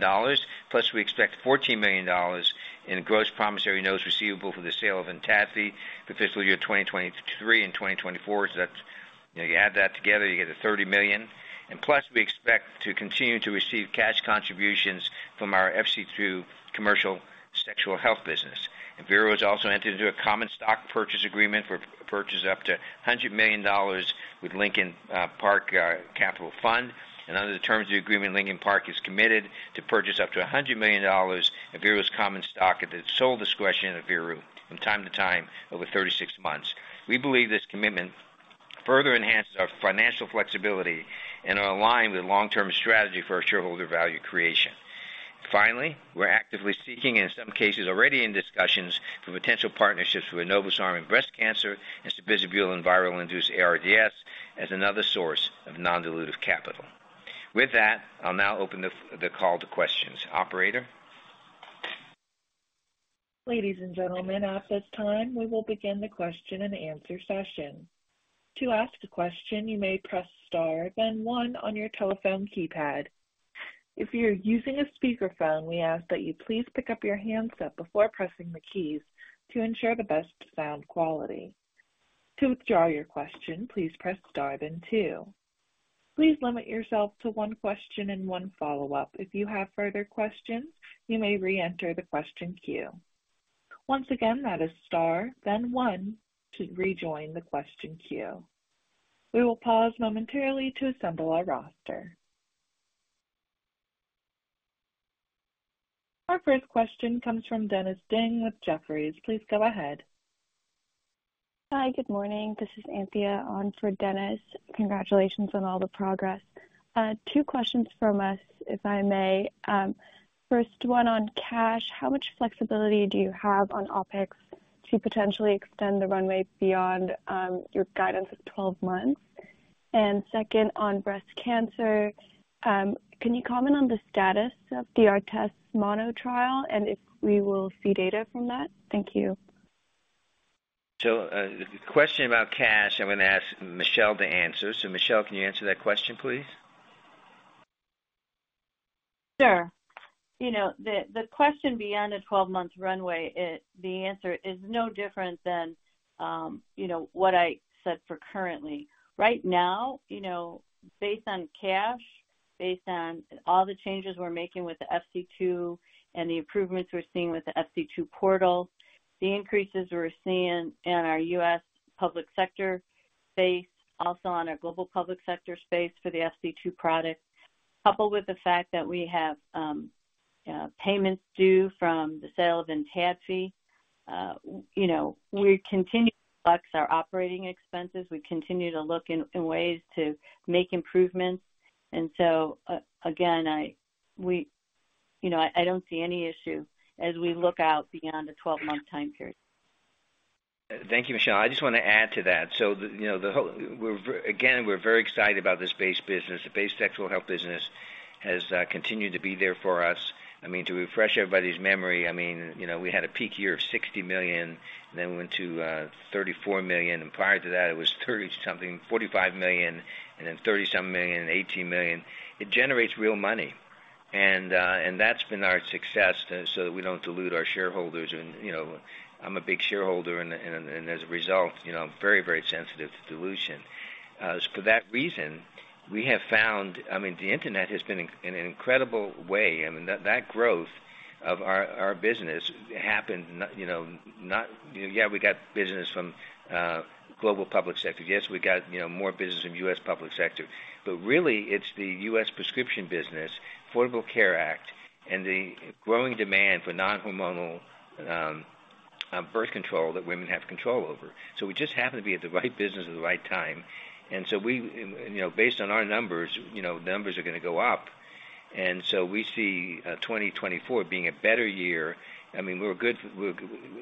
plus we expect $14 million in gross promissory notes receivable for the sale of ENTADFI for fiscal year 2023 and 2024, so You add that together, you get a $30 million. Plus, we expect to continue to receive cash contributions from our FC2 commercial sexual health business. Veru has also entered into a common stock purchase agreement for purchase up to $100 million with Lincoln Park Capital Fund. Under the terms of the agreement, Lincoln Park is committed to purchase up to $100 million of Veru's common stock at the sole discretion of Veru from time to time over 36 months. We believe this commitment further enhances our financial flexibility and are aligned with long-term strategy for our shareholder value creation. Finally, we're actively seeking, in some cases, already in discussions for potential partnerships with enobosarm in breast cancer and sabizabulin in viral-induced ARDS as another source of non-dilutive capital. With that, I'll now open the call to questions. Operator? Ladies and gentlemen, at this time, we will begin the question-and-answer session. To ask a question, you may press Star, then 1 on your telephone keypad. If you're using a speakerphone, we ask that you please pick up your handset before pressing the keys to ensure the best sound quality. To withdraw your question, please press Star, then 2. Please limit yourself to 1 question and 1 follow-up. If you have further questions, you may reenter the question queue. Once again, that is Star, then 1 to rejoin the question queue. We will pause momentarily to assemble our roster. Our first question comes from Dennis Ding with Jefferies. Please go ahead. Hi, good morning. This is Anthea on for Dennis. Congratulations on all the progress. Two questions from us, if I may. First one on cash, how much flexibility do you have on OpEx to potentially extend the runway beyond your guidance of 12 months? Second, on breast cancer, can you comment on the status of the ARTEST mono trial, and if we will see data from that? Thank you. The question about cash, I'm going to ask Michele to answer. Michele, can you answer that question, please? Sure. You know, the, the question beyond a 12-month runway, it, the answer is no different than, you know, what I said for currently. Right now, you know, based on cash, based on all the changes we're making with the FC2 and the improvements we're seeing with the FC2 portal, the increases we're seeing in our U.S. public sector space, also on our global public sector space for the FC2 product, coupled with the fact that we have payments due from the sales in ENTADFI. You know, we continue to flex our operating expenses. We continue to look in, in ways to make improvements. So, again, you know, I don't see any issue as we look out beyond a 12-month time period. Thank you, Michele. I just want to add to that. You know, the whole, we're, again, we're very excited about this base business. The base sexual health business has continued to be there for us. I mean, to refresh everybody's memory, I mean, you know, we had a peak year of $60 million, and then we went to $34 million, and prior to that, it was 30 something, $45 million, and then $30 something million, $18 million. It generates real money, and that's been our success so that we don't dilute our shareholders. You know, I'm a big shareholder, and as a result, you know, I'm very, very sensitive to dilution. For that reason, we have found, I mean, the Internet has been an incredible way. I mean, that growth of our, our business happened, you know, not... Yeah, we got business from global public sector. Yes, we got, you know, more business from U.S. public sector, but really, it's the U.S. prescription business, Affordable Care Act, and the growing demand for non-hormonal birth control that women have control over. So we just happen to be at the right business at the right time. And so we, you know, based on our numbers, you know, numbers are going to go up. And so we see 2024 being a better year. I mean, we're good, we're,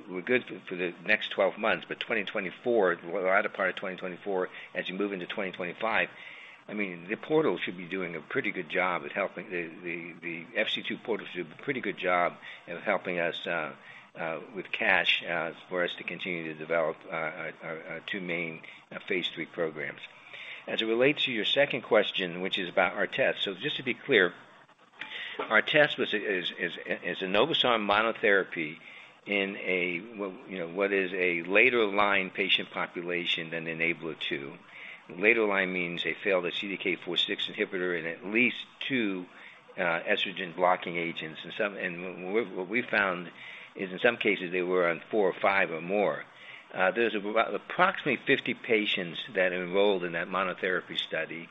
we're good for the next 12 months, but 2024, the latter part of 2024, as you move into 2025, I mean, the portal should be doing a pretty good job at helping... The, the, the FC2 portal should do a pretty good job at helping us with cash for us to continue to develop our, our, our 2 main phase III programs. As it relates to your second question, which is about ARTEST, just to be clear, ARTEST was, is, is, is an enobosarm monotherapy in a, well, you know, what is a later line patient population than ENABLAR-2. Later line means they failed a CDK4/6 inhibitor and at least 2 estrogen blocking agents. Some, and what, what we found is in some cases, they were on 4 or 5 or more. There's about approximately 50 patients that enrolled in that monotherapy study,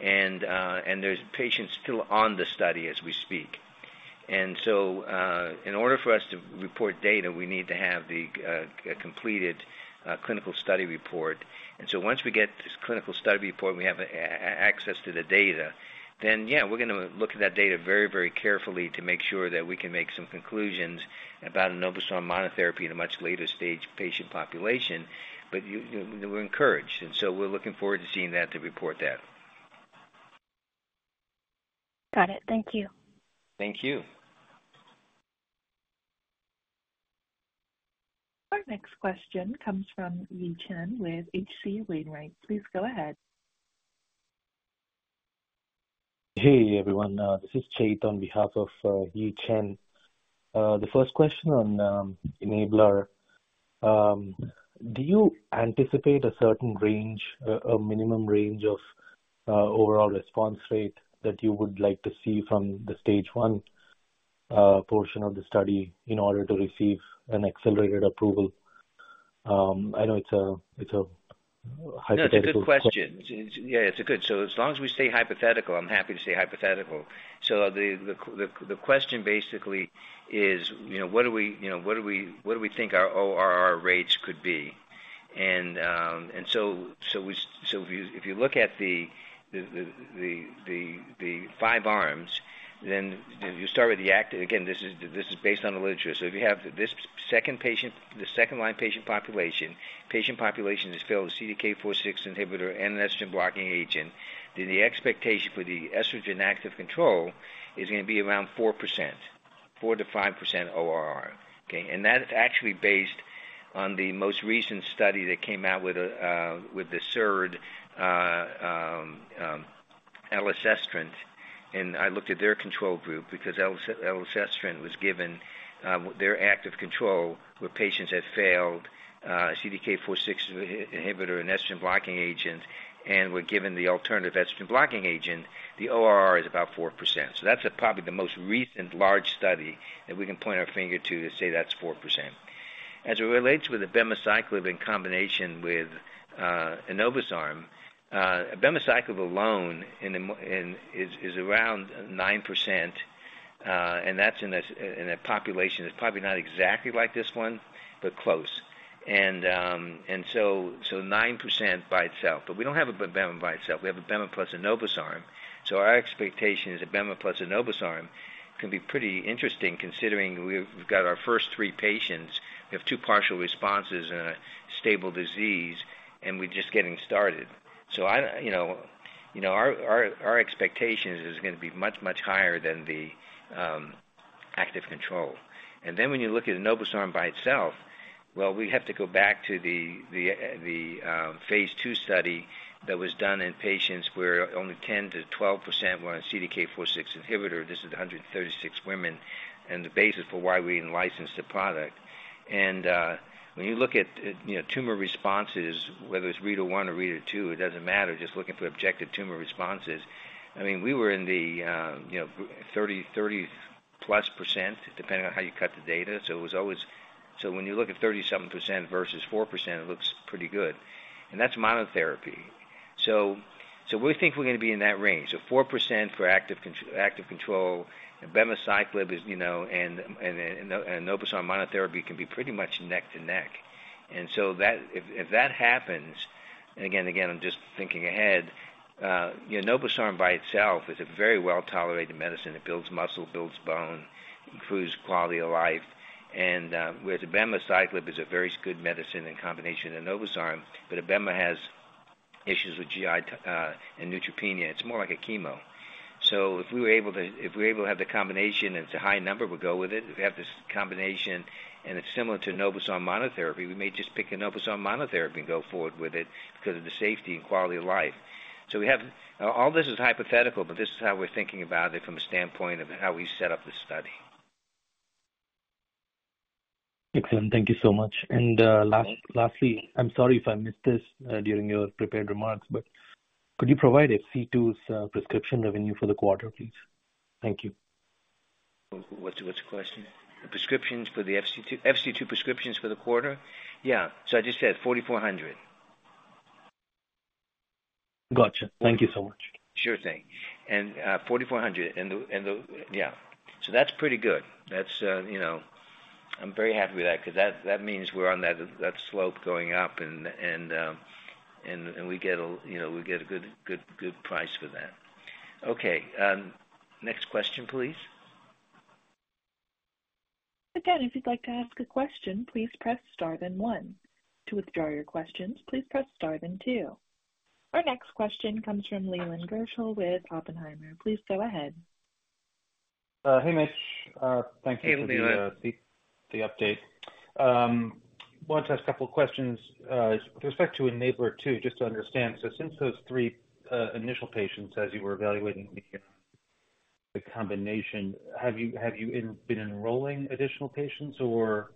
and there's patients still on the study as we speak. In order for us to report data, we need to have the completed clinical study report. Once we get this clinical study report, we have access to the data, then, yeah, we're gonna look at that data very, very carefully to make sure that we can make some conclusions about enobosarm monotherapy in a much later stage patient population. We're encouraged, we're looking forward to seeing that, to report that. Got it. Thank you. Thank you. Our next question comes from Yi Chen with H.C. Wainwright. Please go ahead. Hey, everyone, this is Chetan on behalf of, Yi Chen. The first question on, ENABLAR-2. Do you anticipate a certain range, a minimum range of, overall response rate that you would like to see from the stage one portion of the study in order to receive an accelerated approval? I know it's a, it's a hypothetical- No, it's a good question. Yeah, it's a good. As long as we say hypothetical, I'm happy to say hypothetical. The question basically is, you know, what do we, you know, what do we, what do we think our ORR rates could be? So we, if you look at the 5 arms, then you start with the act. Again, this is, this is based on the literature. If you have this second patient, the second-line patient population, patient population has failed a CDK4/6 inhibitor and an estrogen blocking agent, then the expectation for the estrogen active control is going to be around 4%, 4%-5% ORR. Okay, that is actually based on the most recent study that came out with the third Elacestrant. I looked at their control group because Elacestrant was given their active control, where patients had failed CDK4/6 inhibitor and estrogen blocking agent and were given the alternative estrogen blocking agent. The ORR is about 4%, so that's probably the most recent large study that we can point our finger to, to say that's 4%. As it relates with abemaciclib in combination with enobosarm, abemaciclib alone in the in, is around 9%, and that's in a population that's probably not exactly like this one, but close. 9% by itself, but we don't have abema by itself. We have abema plus enobosarm. Our expectation is abema plus enobosarm can be pretty interesting, considering we've, we've got our first 3 patients. We have 2 partial responses and a stable disease, and we're just getting started. I, you know, you know, our, our, our expectation is, is going to be much, much higher than the active control. When you look at enobosarm by itself, well, we have to go back to the phase II study that was done in patients where only 10%-12% were on a CDK4/6 inhibitor. This is 136 women, and the basis for why we even licensed the product. When you look at, you know, tumor responses, whether it's Reader 1 or Reader 2, it doesn't matter, just looking for objective tumor responses. I mean, we were in the, you know, 30, 30+% depending on how you cut the data. It was when you look at 30+% versus 4%, it looks pretty good. That's monotherapy. We think we're going to be in that range. 4% for active con- active control, abemaciclib is, you know, and, and, and enobosarm monotherapy can be pretty much neck to neck. If that happens, and again, again, I'm just thinking ahead, you know, enobosarm by itself is a very well-tolerated medicine. It builds muscle, builds bone, improves quality of life, and with abemaciclib is a very good medicine in combination with enobosarm, but abema has issues with GI and neutropenia. It's more like a chemo. If we were able to, if we're able to have the combination, and it's a high number, we'll go with it. If we have this combination and it's similar to enobosarm monotherapy, we may just pick enobosarm monotherapy and go forward with it because of the safety and quality of life. We have, all this is hypothetical, but this is how we're thinking about it from a standpoint of how we set up the study. Excellent. Thank you so much. Lastly, I'm sorry if I missed this during your prepared remarks, but could you provide FC2's prescription revenue for the quarter, please? Thank you. What's the question? The prescriptions for the FC2. FC2 prescriptions for the quarter? Yeah. I just said 4,400. Gotcha. Thank you so much. Sure thing. 4,400 and the, and the. Yeah. That's pretty good. That's, you know, I'm very happy with that because that, that means we're on that, that slope going up and, and, and we get a, you know, we get a good, good, good price for that. Next question, please. Again, if you'd like to ask a question, please press star, then one. To withdraw your questions, please press star then two. Our next question comes from Leland Gershell with Oppenheimer. Please go ahead. hey, Mitch. thank you- Hey, Leland. - for the, the update. Wanted to ask a couple of questions, with respect to ENABLAR-2, just to understand. Since those three, initial patients, as you were evaluating the, the combination, have you been enrolling additional patients, or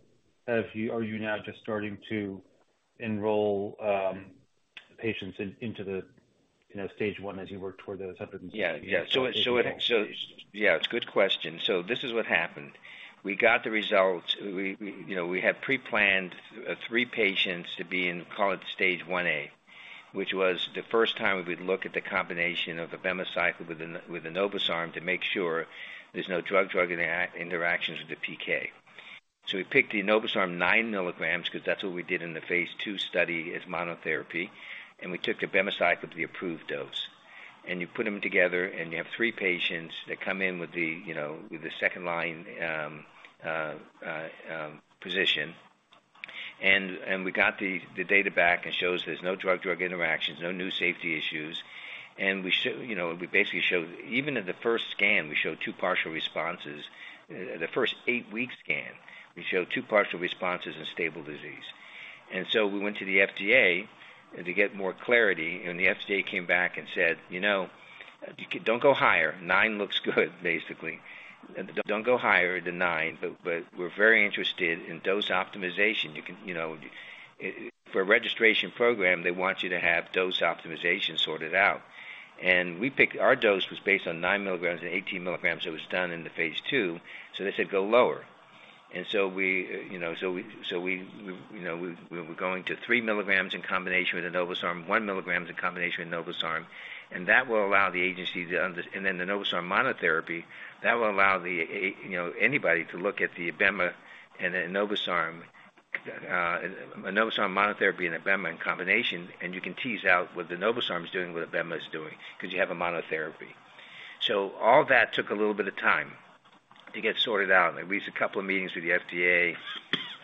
are you now just starting to enroll, patients in, into the, you know, stage one as you work toward those? Yeah, yeah. Yeah, it's a good question. This is what happened. We got the results. We, we, you know, we had preplanned 3 patients to be in, call it stage one A, which was the first time we would look at the combination of abemaciclib with enobosarm, to make sure there's no drug-drug interactions with the PK. We picked the enobosarm 9 milligrams, because that's what we did in the phase two study as monotherapy, and we took abemaciclib, the approved dose. You put them together, and you have 3 patients that come in with the, you know, with the second-line position. We got the, the data back and shows there's no drug-drug interactions, no new safety issues. You know, we basically showed, even in the 1st scan, we showed 2 partial responses. The 1st 8-week scan, we showed 2 partial responses and stable disease. So we went to the FDA to get more clarity, and the FDA came back and said, "You know, don't go higher. 9 looks good, basically. Don't go higher than 9, but we're very interested in dose optimization." You can, you know, for a registration program, they want you to have dose optimization sorted out. We picked. Our dose was based on 9 mg and 18 mg that was done in the phase II. They said, "Go lower." We, you know, we're going to 3 milligrams in combination with enobosarm, 1 milligram in combination with enobosarm, and that will allow the agency and then the enobosarm monotherapy, that will allow the you know, anybody to look at the Ebema and the enobosarm, enobosarm monotherapy and Ebema in combination, and you can tease out what the enobosarm is doing, what Ebema is doing, because you have a monotherapy. All that took a little bit of time to get sorted out. At least 2 meetings with the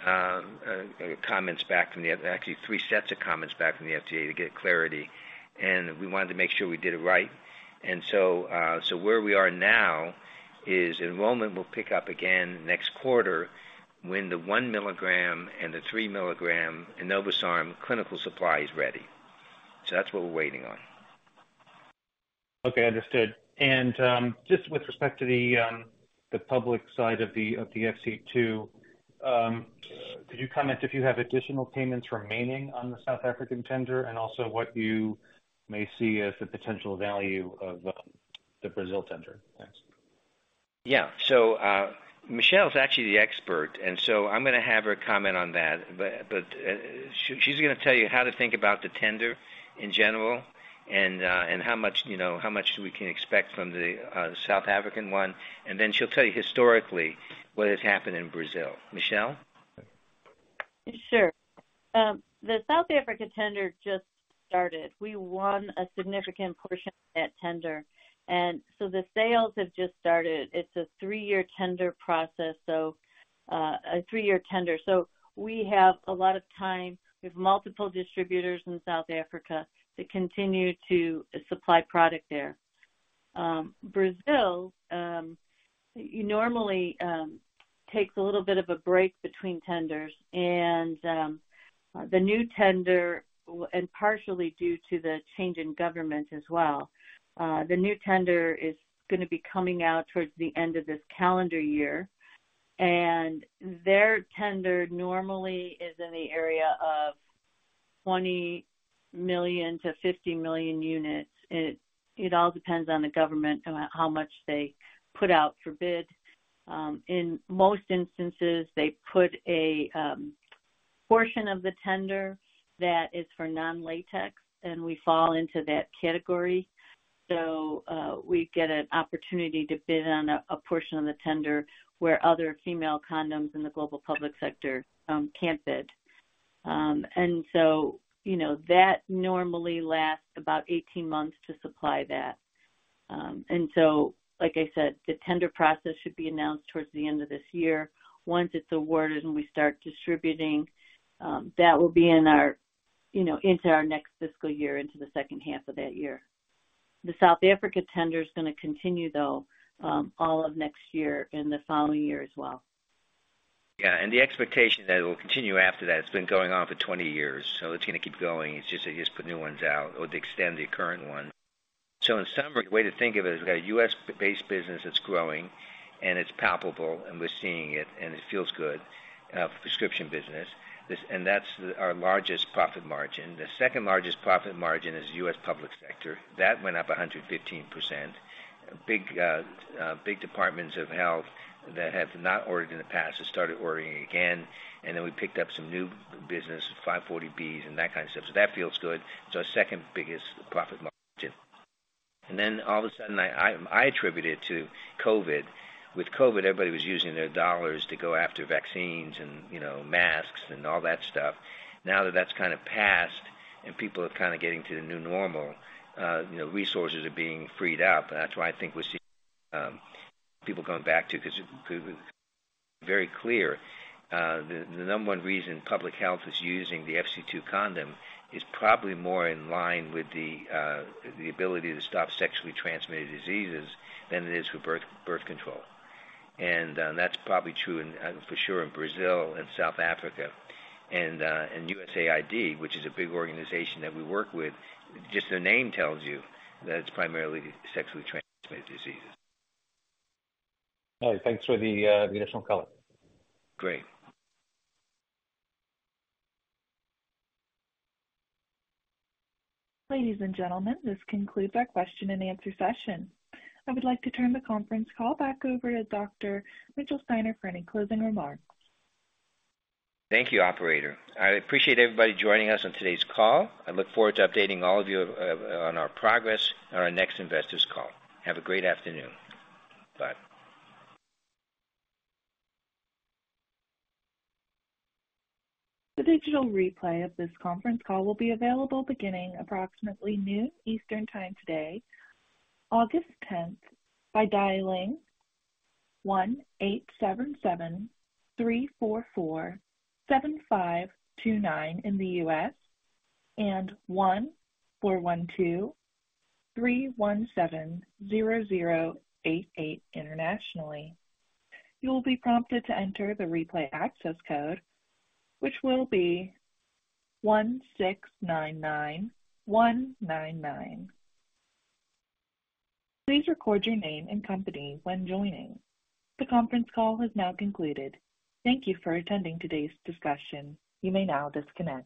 FDA, comments back actually 3 sets of comments back from the FDA to get clarity. We wanted to make sure we did it right. Where we are now is enrollment will pick up again next quarter when the one milligram and the three milligram enobosarm clinical supply is ready. That's what we're waiting on. Okay, understood. And just with respect to the public side of the FC2, could you comment if you have additional payments remaining on the South African tender and also what you may see as the potential value of the Brazil tender? Thanks. Yeah. Michele is actually the expert, and so I'm going to have her comment on that. She's going to tell you how to think about the tender in general and how much, you know, how much we can expect from the South African one. Then she'll tell you historically what has happened in Brazil. Michele? Sure. The South African tender just started. We won a significant portion of that tender, and so the sales have just started. It's a 3-year tender process, so a 3-year tender. We have a lot of time. We have multiple distributors in South Africa that continue to supply product there. Brazil normally takes a little bit of a break between tenders and the new tender, and partially due to the change in government as well. The new tender is going to be coming out towards the end of this calendar year, and their tender normally is in the area of 20 million-50 million units. It all depends on the government, on how much they put out for bid. In most instances, they put a portion of the tender that is for non-latex, and we fall into that category. We get an opportunity to bid on a portion of the tender where other female condoms in the global public sector can't bid. You know, that normally lasts about 18 months to supply that. Like I said, the tender process should be announced towards the end of this year. Once it's awarded and we start distributing, that will be in our, you know, into our next fiscal year, into the second half of that year. The South Africa tender is going to continue, though, all of next year and the following year as well. Yeah, the expectation that it will continue after that, it's been going on for 20 years, so it's going to keep going. It's just, they just put new ones out or to extend the current one. In summary, the way to think of it is, we've got a US-based business that's growing and it's palpable and we're seeing it, and it feels good, prescription business. This, that's our largest profit margin. The second largest profit margin is US public sector. That went up 115%. Big, big departments of health that have not ordered in the past have started ordering again, and then we picked up some new business, 340B's and that kind of stuff. That feels good. It's our second biggest profit margin. Then all of a sudden, I, I, I attribute it to COVID. With COVID, everybody was using their dollars to go after vaccines and, you know, masks and all that stuff. Now that that's kind of passed and people are kind of getting to the new normal, you know, resources are being freed up. That's why I think we're seeing people coming back to, because it's very clear, the number one reason public health is using the FC2 condom is probably more in line with the ability to stop sexually transmitted diseases than it is with birth control. That's probably true in, for sure, in Brazil and South Africa. USAID, which is a big organization that we work with, just the name tells you that it's primarily sexually transmitted diseases. All right, thanks for the additional color. Great. Ladies and gentlemen, this concludes our question and answer session. I would like to turn the conference call back over to Dr. Mitchell Steiner for any closing remarks. Thank you, operator. I appreciate everybody joining us on today's call. I look forward to updating all of you on our progress on our next investors call. Have a great afternoon. Bye. The digital replay of this conference call will be available beginning approximately 12:00 P.M. Eastern Time today, August 10, by dialing 1-877-344-7529 in the U.S. and 1-412-317-0088 internationally. You will be prompted to enter the replay access code, which will be 1699199. Please record your name and company when joining. The conference call has now concluded. Thank you for attending today's discussion. You may now disconnect.